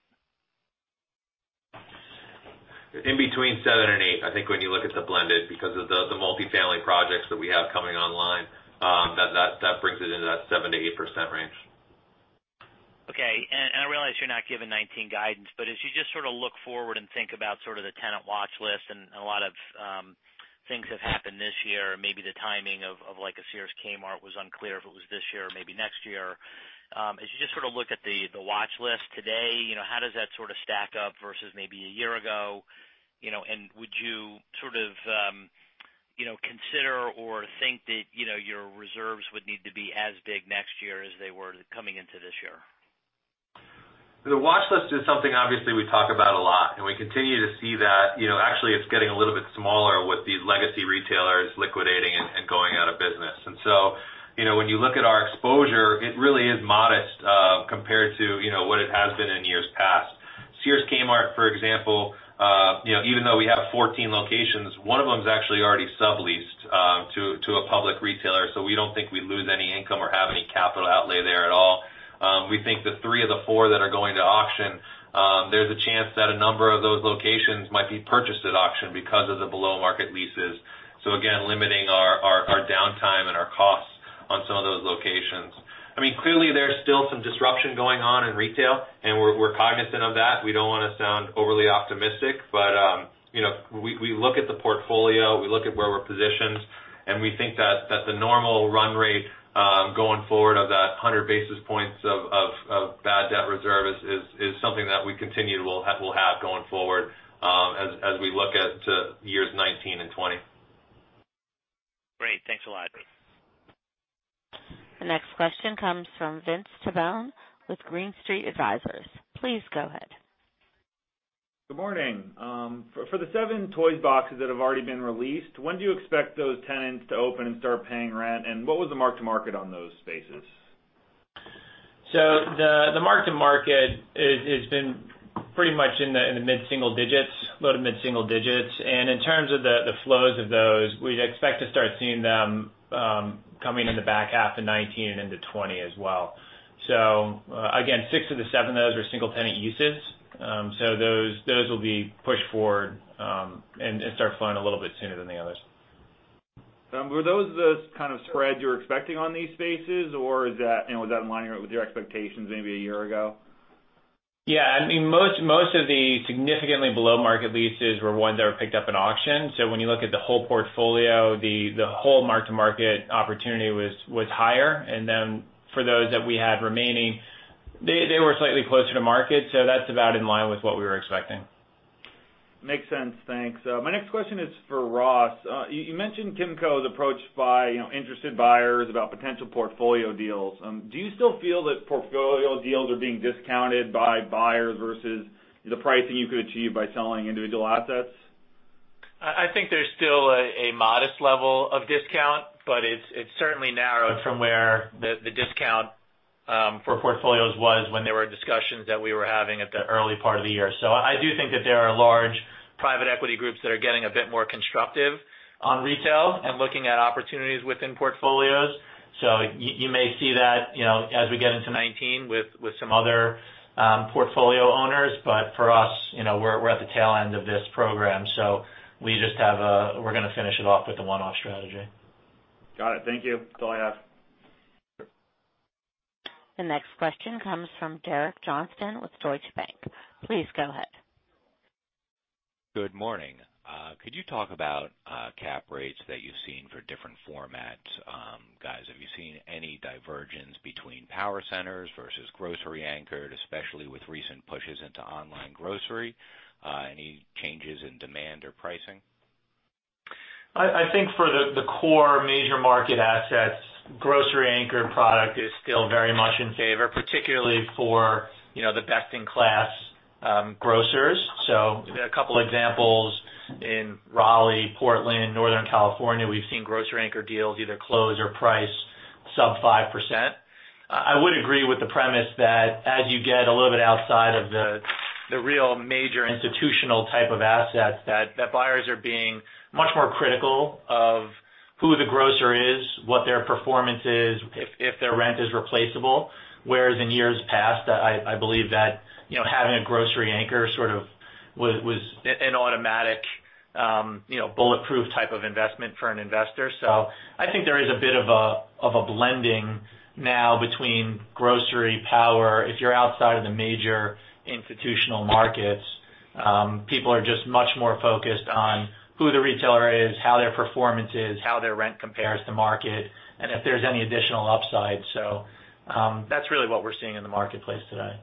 C: In between 7%-8%, I think, when you look at the blended, because of the multifamily projects that we have coming online, that brings it into that 7%-8% range.
N: Okay. I realize you're not giving 2019 guidance, but as you just sort of look forward and think about sort of the tenant watch list and a lot of things have happened this year, maybe the timing of like a Sears Kmart was unclear if it was this year or maybe next year. As you just sort of look at the watch list today, how does that sort of stack up versus maybe a year ago, and would you sort of consider or think that your reserves would need to be as big next year as they were coming into this year?
C: The watch list is something obviously we talk about a lot, we continue to see that actually it's getting a little bit smaller with the legacy retailers liquidating and going out of business. When you look at our exposure, it really is modest, compared to what it has been in years past. Sears Kmart, for example, even though we have 14 locations, one of them is actually already subleased to a public retailer. We don't think we lose any income or have any capital outlay there at all. We think the 3 of the 4 that are going to auction, there's a chance that a number of those locations might be purchased at auction because of the below-market leases. Again, limiting our downtime and our costs on some of those locations. Clearly, there's still some disruption going on in retail, and we're cognizant of that. We don't want to sound overly optimistic, but we look at the portfolio, we look at where we're positioned, and we think that the normal run rate, going forward, of that 100 basis points of bad debt reserve is something that we continue to will have going forward, as we look at to years 2019 and 2020.
N: Great. Thanks a lot.
A: The next question comes from Vince Tibone with Green Street Advisors. Please go ahead.
O: Good morning. For the seven Toys "R" Us boxes that have already been released, when do you expect those tenants to open and start paying rent, and what was the mark-to-market on those spaces?
C: The mark-to-market has been
G: Pretty much in the mid-single digits, low-to-mid single digits. In terms of the flows of those, we'd expect to start seeing them coming in the back half of 2019 and into 2020 as well. Again, six of the seven of those are single-tenant uses. Those will be pushed forward, and start flying a little bit sooner than the others.
O: Were those the kind of spread you were expecting on these spaces, or was that in line with your expectations maybe a year ago?
G: Yeah. Most of the significantly below market leases were ones that were picked up in auction. When you look at the whole portfolio, the whole mark-to-market opportunity was higher. Then for those that we had remaining, they were slightly closer to market. That's about in line with what we were expecting.
O: Makes sense. Thanks. My next question is for Ross Cooper. You mentioned Kimco Realty's approach by interested buyers about potential portfolio deals. Do you still feel that portfolio deals are being discounted by buyers versus the pricing you could achieve by selling individual assets?
D: I think there's still a modest level of discount, but it's certainly narrowed from where the discount for portfolios was when there were discussions that we were having at the early part of the year. I do think that there are large private equity groups that are getting a bit more constructive on retail and looking at opportunities within portfolios. You may see that as we get into 2019 with some other portfolio owners. For us, we're at the tail end of this program, so we're going to finish it off with a one-off strategy.
O: Got it. Thank you. That's all I have.
A: The next question comes from Derek Johnston with Deutsche Bank. Please go ahead.
P: Good morning. Could you talk about cap rates that you've seen for different formats, guys? Have you seen any divergence between power centers versus grocery anchored, especially with recent pushes into online grocery? Any changes in demand or pricing?
D: I think for the core major market assets, grocery anchor product is still very much in favor, particularly for the best-in-class grocers. A couple examples in Raleigh, Portland, Northern California, we've seen grocery anchor deals either close or price sub 5%. I would agree with the premise that as you get a little bit outside of the real major institutional type of assets, that buyers are being much more critical of who the grocer is, what their performance is, if their rent is replaceable. Whereas in years past, I believe that having a grocery anchor sort of was an automatic bulletproof type of investment for an investor. I think there is a bit of a blending now between grocery power. If you're outside of the major institutional markets, people are just much more focused on who the retailer is, how their performance is, how their rent compares to market, and if there's any additional upside. That's really what we're seeing in the marketplace today.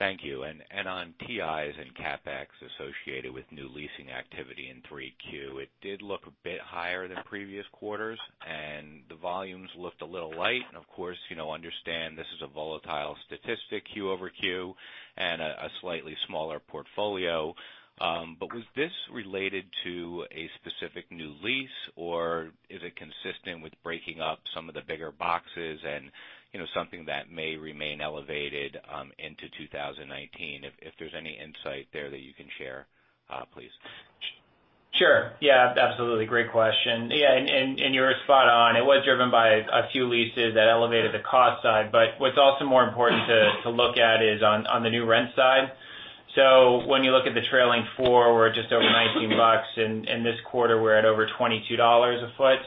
P: Thank you. On TIs and CapEx associated with new leasing activity in 3Q, it did look a bit higher than previous quarters, and the volumes looked a little light. Of course, understand this is a volatile statistic quarter-over-quarter and a slightly smaller portfolio. Was this related to a specific new lease, or is it consistent with breaking up some of the bigger boxes and something that may remain elevated into 2019? If there's any insight there that you can share, please.
G: Sure. Yeah, absolutely. Great question. Yeah, and you're spot on. It was driven by a few leases that elevated the cost side. What's also more important to look at is on the new rent side. When you look at the trailing four, we're just over $19, and this quarter we're at over $22 a foot.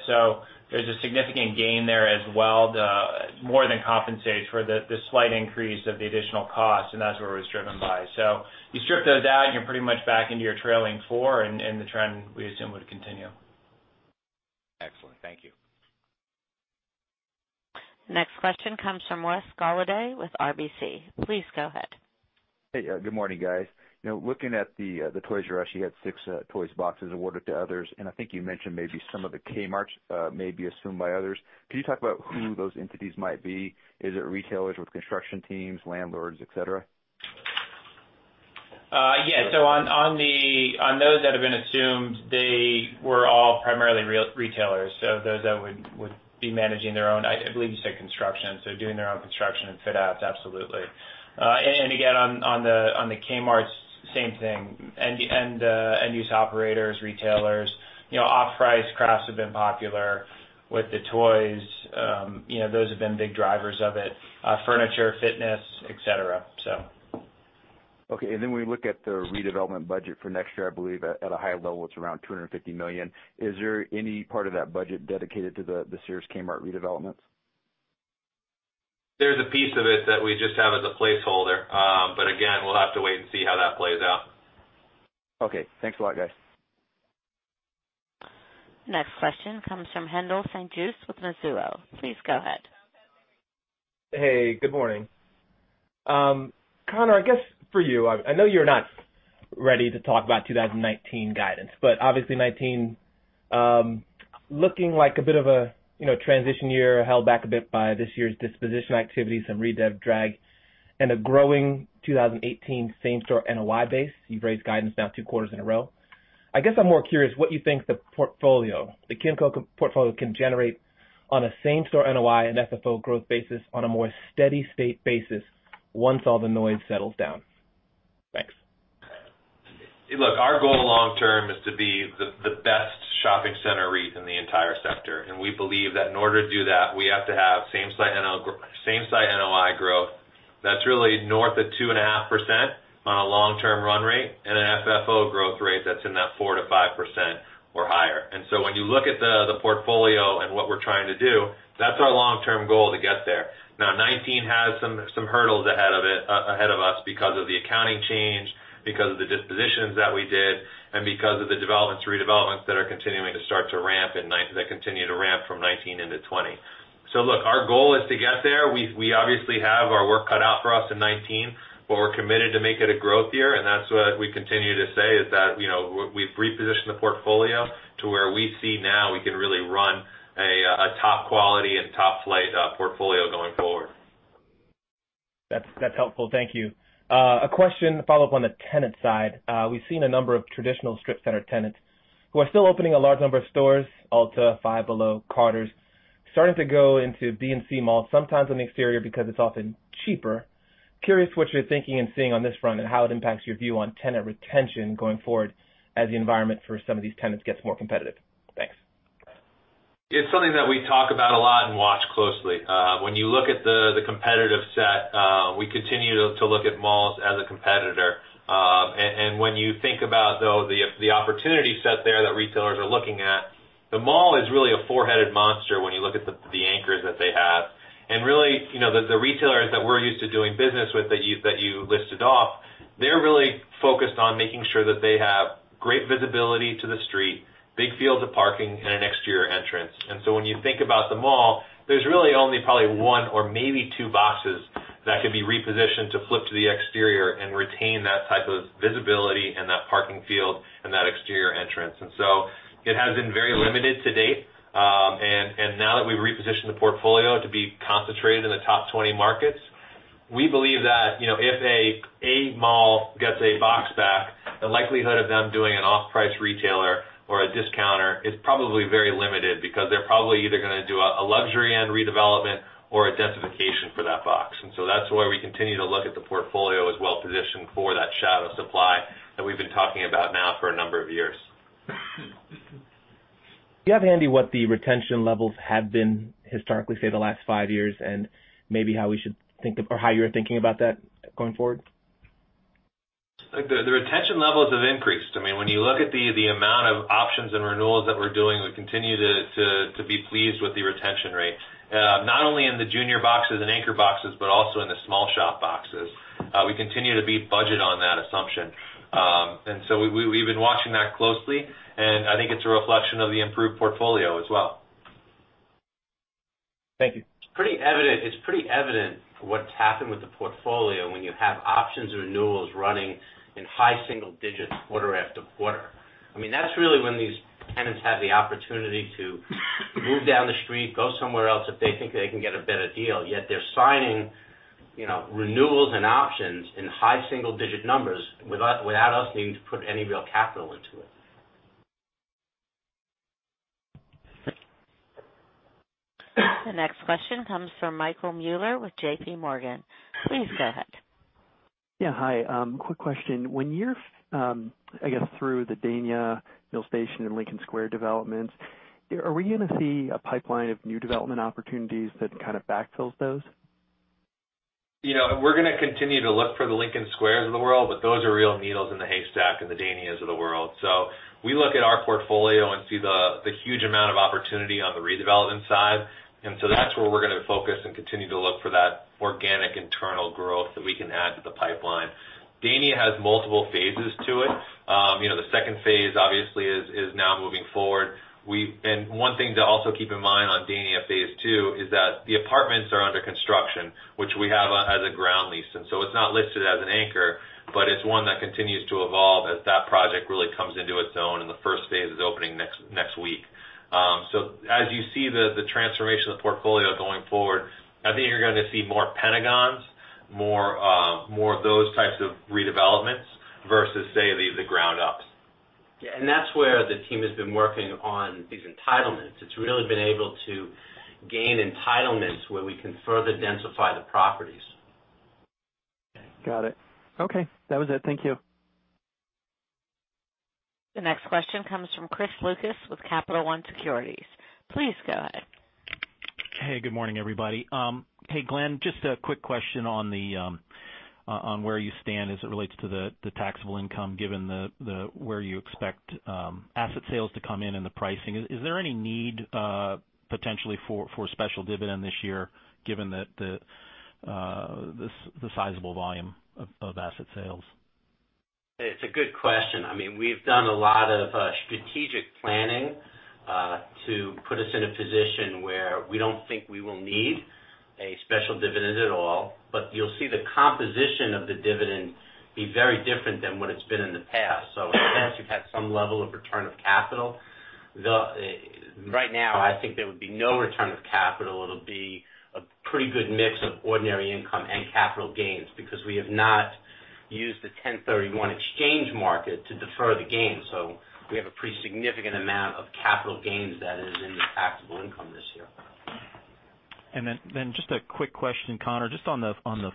G: There's a significant gain there as well to more than compensate for the slight increase of the additional cost, and that's where it was driven by. You strip those out, and you're pretty much back into your trailing four, and the trend, we assume, would continue.
P: Excellent. Thank you.
A: Next question comes from Wes Golladay with RBC. Please go ahead.
Q: Hey, good morning, guys. Looking at the Toys "R" Us, you had six Toys "R" Us boxes awarded to others, and I think you mentioned maybe some of the Kmarts may be assumed by others. Can you talk about who those entities might be? Is it retailers with construction teams, landlords, et cetera?
G: Yeah. On those that have been assumed, they were all primarily retailers. Those that would be managing their own, I believe you said construction, so doing their own construction and fit outs, absolutely. Again, on the Kmart, same thing. End use operators, retailers. Off-price crafts have been popular with the toys. Those have been big drivers of it. Furniture, fitness, et cetera.
Q: Okay. When we look at the redevelopment budget for next year, I believe at a high level, it's around $250 million. Is there any part of that budget dedicated to the Sears Kmart redevelopments?
E: There's a piece of it that we just have as a placeholder. Again, we'll have to wait and see how that plays out.
Q: Okay. Thanks a lot, guys.
A: Next question comes from Haendel St. Juste with Mizuho. Please go ahead.
R: Hey, good morning. Conor, I guess for you, I know you're not ready to talk about 2019 guidance. Obviously 2019, looking like a bit of a transition year held back a bit by this year's disposition activity, some redev drag, and a growing 2018 same-site NOI base. You've raised guidance now two quarters in a row. I guess I'm more curious what you think the portfolio, the Kimco portfolio can generate On a same-site NOI and FFO growth basis on a more steady state basis once all the noise settles down? Thanks.
C: Look, our goal long term is to be the best shopping center REIT in the entire sector. We believe that in order to do that, we have to have same-site NOI growth that's really north of 2.5% on a long-term run rate and an FFO growth rate that's in that 4%-5% or higher. When you look at the portfolio and what we're trying to do, that's our long-term goal to get there. Now, 2019 has some hurdles ahead of us because of the accounting change, because of the dispositions that we did, and because of the redevelopments that are continuing to start to ramp from 2019 into 2020. Look, our goal is to get there. We obviously have our work cut out for us in 2019. We're committed to making it a growth year. That's what we continue to say is that, we've repositioned the portfolio to where we see now we can really run a top-quality and top-flight portfolio going forward.
R: That's helpful. Thank you. A question to follow up on the tenant side. We've seen a number of traditional strip center tenants who are still opening a large number of stores, Ulta, Five Below, Carter's, starting to go into B and C malls, sometimes on the exterior because it's often cheaper. Curious what you're thinking and seeing on this front and how it impacts your view on tenant retention going forward as the environment for some of these tenants gets more competitive. Thanks.
C: It's something that we talk about a lot and watch closely. When you look at the competitive set, we continue to look at malls as a competitor. When you think about, though, the opportunity set there that retailers are looking at, the mall is really a four-headed monster when you look at the anchors that they have. Really, the retailers that we're used to doing business with, that you listed off, they're really focused on making sure that they have great visibility to the street, big fields of parking, and an exterior entrance. When you think about the mall, there's really only probably one or maybe two boxes that could be repositioned to flip to the exterior and retain that type of visibility and that parking field and that exterior entrance. It has been very limited to date. Now that we've repositioned the portfolio to be concentrated in the top 20 markets, we believe that, if a mall gets a box back, the likelihood of them doing an off-price retailer or a discounter is probably very limited because they're probably either going to do a luxury end redevelopment or a densification for that box. That's why we continue to look at the portfolio as well-positioned for that shadow supply that we've been talking about now for a number of years.
R: Do you have handy what the retention levels have been historically, say, the last five years, and maybe how you're thinking about that going forward?
C: Look, the retention levels have increased. I mean, when you look at the amount of options and renewals that we're doing, we continue to be pleased with the retention rate. Not only in the junior boxes and anchor boxes, but also in the small shop boxes. We continue to beat budget on that assumption. We've been watching that closely, and I think it's a reflection of the improved portfolio as well.
R: Thank you.
E: It's pretty evident what's happened with the portfolio when you have options and renewals running in high single digits quarter after quarter. I mean, that's really when these tenants have the opportunity to move down the street, go somewhere else if they think they can get a better deal, yet they're signing renewals and options in high single-digit numbers without us needing to put any real capital into it.
A: The next question comes from Michael Mueller with JPMorgan. Please go ahead.
S: Yeah. Hi. Quick question. When you're, I guess, through the Dania, Mill Station, and Lincoln Square developments, are we going to see a pipeline of new development opportunities that kind of backfills those?
C: We're going to continue to look for the Lincoln Squares of the world, but those are real needles in the haystack and the Danias of the world. We look at our portfolio and see the huge amount of opportunity on the redevelopment side. That's where we're going to focus and continue to look for that organic internal growth that we can add to the pipeline. Dania has multiple phases to it. The phase 2 obviously is now moving forward. One thing to also keep in mind on Dania phase 2 is that the apartments are under construction, which we have as a ground lease. It's not listed as an anchor, but it's one that continues to evolve as that project really comes into its own and the phase 1 is opening next week. As you see the transformation of the portfolio going forward, I think you're going to see more Pentagons, more of those types of redevelopments versus, say, the ground ups.
E: Yeah, that's where the team has been working on these entitlements. It's really been able to gain entitlements where we can further densify the properties.
S: Got it. Okay. That was it. Thank you.
A: The next question comes from Chris Lucas with Capital One Securities. Please go ahead.
T: Hey, good morning, everybody. Hey, Glenn, just a quick question on where you stand as it relates to the taxable income, given where you expect asset sales to come in and the pricing. Is there any need potentially for a special dividend this year given the sizable volume of asset sales?
E: It's a good question. I mean, we've done a lot of strategic planning to put us in a position where we don't think we will need a special dividend at all. You'll see the composition of the dividend be very different than what it's been in the past. In the past, you've had some level of return of capital. Right now, I think there would be no return of capital. Pretty good mix of ordinary income and capital gains because we have not used the 1031 exchange market to defer the gains. We have a pretty significant amount of capital gains that is in the taxable income this year.
T: Just a quick question, Conor, just on the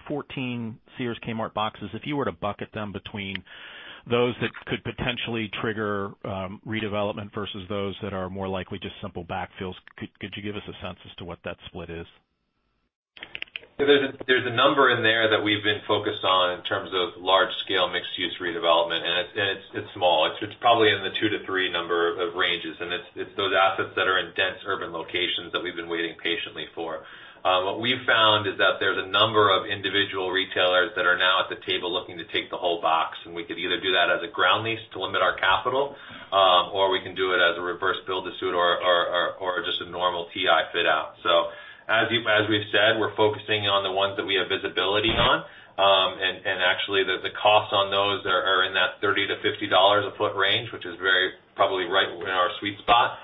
T: 14 Sears Kmart boxes. If you were to bucket them between those that could potentially trigger redevelopment versus those that are more likely just simple backfills, could you give us a sense as to what that split is?
G: There's a number in there that we've been focused on in terms of large-scale mixed-use redevelopment, and it's small. It's probably in the two to three number of ranges, and it's those assets that are in dense urban locations that we've been waiting patiently for. What we've found is that there's a number of individual retailers that are now at the table looking to take the whole box, and we could either do that as a ground lease to limit our capital, or we can do it as a reverse build-to-suit or just a normal TI fit-out. As we've said, we're focusing on the ones that we have visibility on. Actually, the costs on those are in that $30 to $50 a foot range, which is very probably right in our sweet spot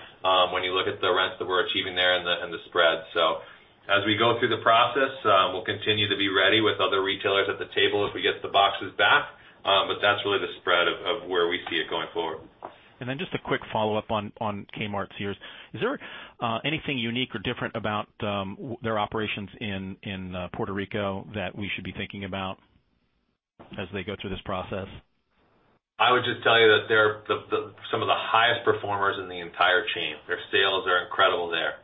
G: when you look at the rents that we're achieving there and the spread.
D: As we go through the process, we'll continue to be ready with other retailers at the table if we get the boxes back. That's really the spread of where we see it going forward.
T: Just a quick follow-up on Kmart Sears. Is there anything unique or different about their operations in Puerto Rico that we should be thinking about as they go through this process?
D: I would just tell you that they're some of the highest performers in the entire chain. Their sales are incredible there.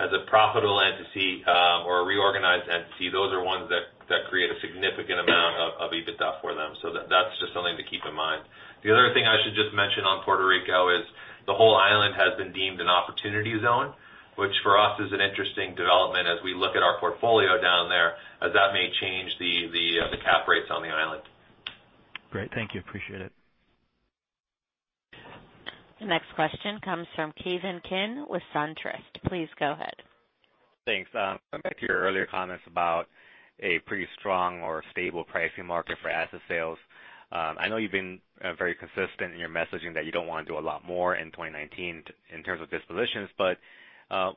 D: As a profitable entity or a reorganized entity, those are ones that create a significant amount of EBITDA for them. That's just something to keep in mind. The other thing I should just mention on Puerto Rico is the whole island has been deemed an Opportunity Zone, which for us, is an interesting development as we look at our portfolio down there, as that may change the cap rates on the island.
T: Great. Thank you. Appreciate it.
A: The next question comes from Ki Bin Kim with SunTrust. Please go ahead.
U: Thanks. Going back to your earlier comments about a pretty strong or stable pricing market for asset sales. I know you've been very consistent in your messaging that you don't want to do a lot more in 2019 in terms of dispositions, but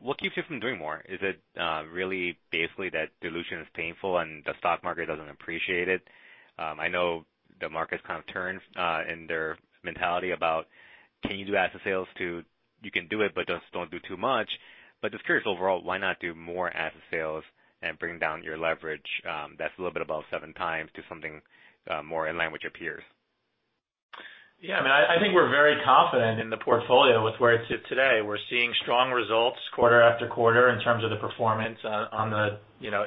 U: what keeps you from doing more? Is it really basically that dilution is painful and the stock market doesn't appreciate it? I know the market's kind of turned, and their mentality about can you do asset sales to you can do it, but just don't do too much. Just curious, overall, why not do more asset sales and bring down your leverage that's a little bit above 7 times to something more in line with your peers?
D: I think we're very confident in the portfolio with where it sits today. We're seeing strong results quarter after quarter in terms of the performance on the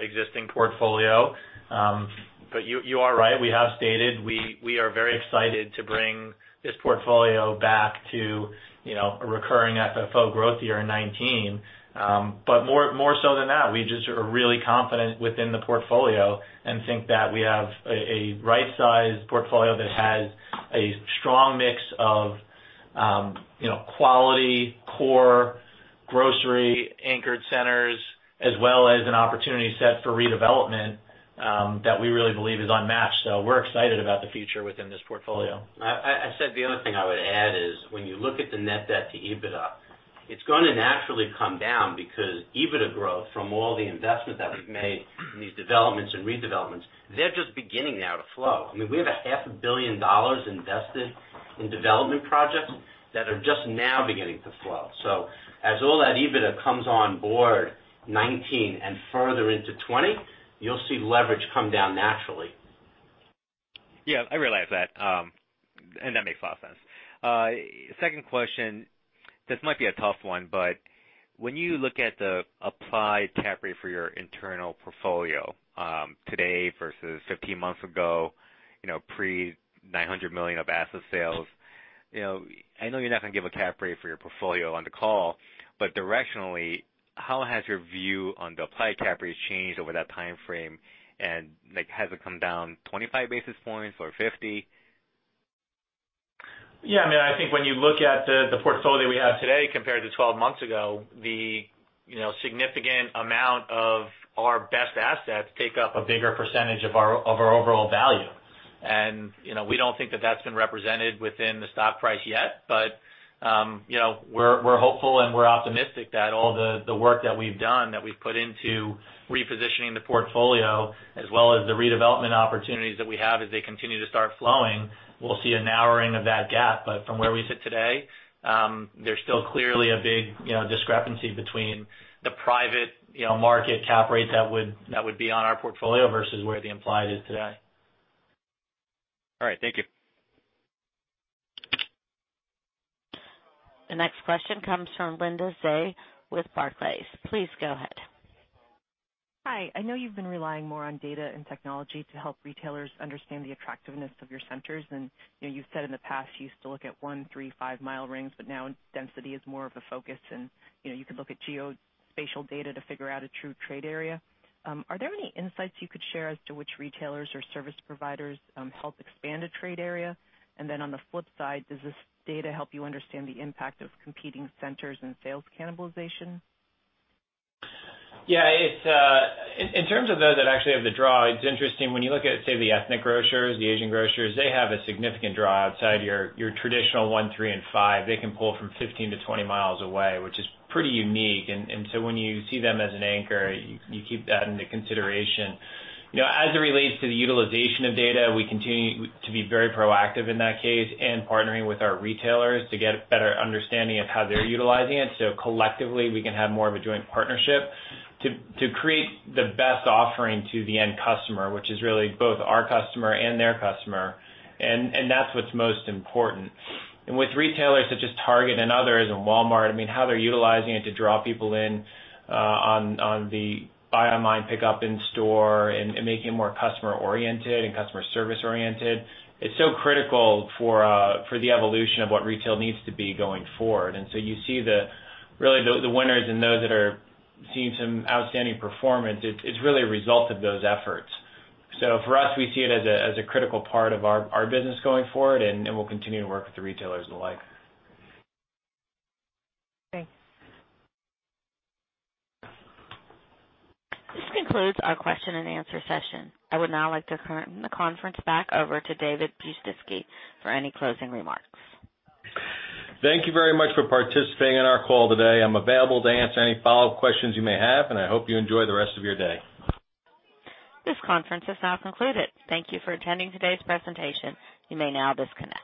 D: existing portfolio. You are right. We have stated we are very excited to bring this portfolio back to a recurring FFO growth year in 2019. More so than that, we just are really confident within the portfolio and think that we have a right-sized portfolio that has a strong mix of quality, core, grocery-anchored centers, as well as an opportunity set for redevelopment, that we really believe is unmatched. We're excited about the future within this portfolio.
E: I said the only thing I would add is when you look at the net debt to EBITDA, it's going to naturally come down because EBITDA growth from all the investment that we've made in these developments and redevelopments, they're just beginning now to flow. We have a half a billion dollars invested in development projects that are just now beginning to flow. As all that EBITDA comes on board 2019 and further into 2020, you'll see leverage come down naturally.
U: I realize that. That makes a lot of sense. Second question, this might be a tough one, when you look at the applied cap rate for your internal portfolio today versus 15 months ago, pre-$900 million of asset sales. I know you're not going to give a cap rate for your portfolio on the call, directionally, how has your view on the applied cap rates changed over that time frame, and has it come down 25 basis points or 50?
C: I think when you look at the portfolio that we have today compared to 12 months ago, the significant amount of our best assets take up a bigger percentage of our overall value. We don't think that that's been represented within the stock price yet. We're hopeful and we're optimistic that all the work that we've done, that we've put into repositioning the portfolio as well as the redevelopment opportunities that we have as they continue to start flowing, we'll see a narrowing of that gap. From where we sit today, there's still clearly a big discrepancy between the private market cap rates that would be on our portfolio versus where the implied is today.
U: All right. Thank you.
A: The next question comes from Linda Tse with Barclays. Please go ahead.
V: Hi. I know you've been relying more on data and technology to help retailers understand the attractiveness of your centers. You've said in the past you used to look at one, three, five-mile rings, but now density is more of a focus, and you could look at geospatial data to figure out a true trade area. Are there any insights you could share as to which retailers or service providers help expand a trade area? Then on the flip side, does this data help you understand the impact of competing centers and sales cannibalization?
G: Yeah. In terms of those that actually have the draw, it's interesting when you look at, say, the ethnic grocers, the Asian grocers, they have a significant draw outside your traditional one, three, and five. They can pull from 15 to 20 miles away, which is pretty unique. When you see them as an anchor, you keep that into consideration. As it relates to the utilization of data, we continue to be very proactive in that case, and partnering with our retailers to get a better understanding of how they're utilizing it. Collectively, we can have more of a joint partnership to create the best offering to the end customer, which is really both our customer and their customer. That's what's most important.
D: With retailers such as Target and others, and Walmart, how they're utilizing it to draw people in on the buy online, pick up in store, and making it more customer-oriented and customer service oriented. It's so critical for the evolution of what retail needs to be going forward. You see the winners and those that are seeing some outstanding performance, it's really a result of those efforts. For us, we see it as a critical part of our business going forward, and we'll continue to work with the retailers and the like.
V: Thanks.
A: This concludes our question and answer session. I would now like to turn the conference back over to David Bujnicki for any closing remarks.
B: Thank you very much for participating in our call today. I'm available to answer any follow-up questions you may have, and I hope you enjoy the rest of your day.
A: This conference is now concluded. Thank you for attending today's presentation. You may now disconnect.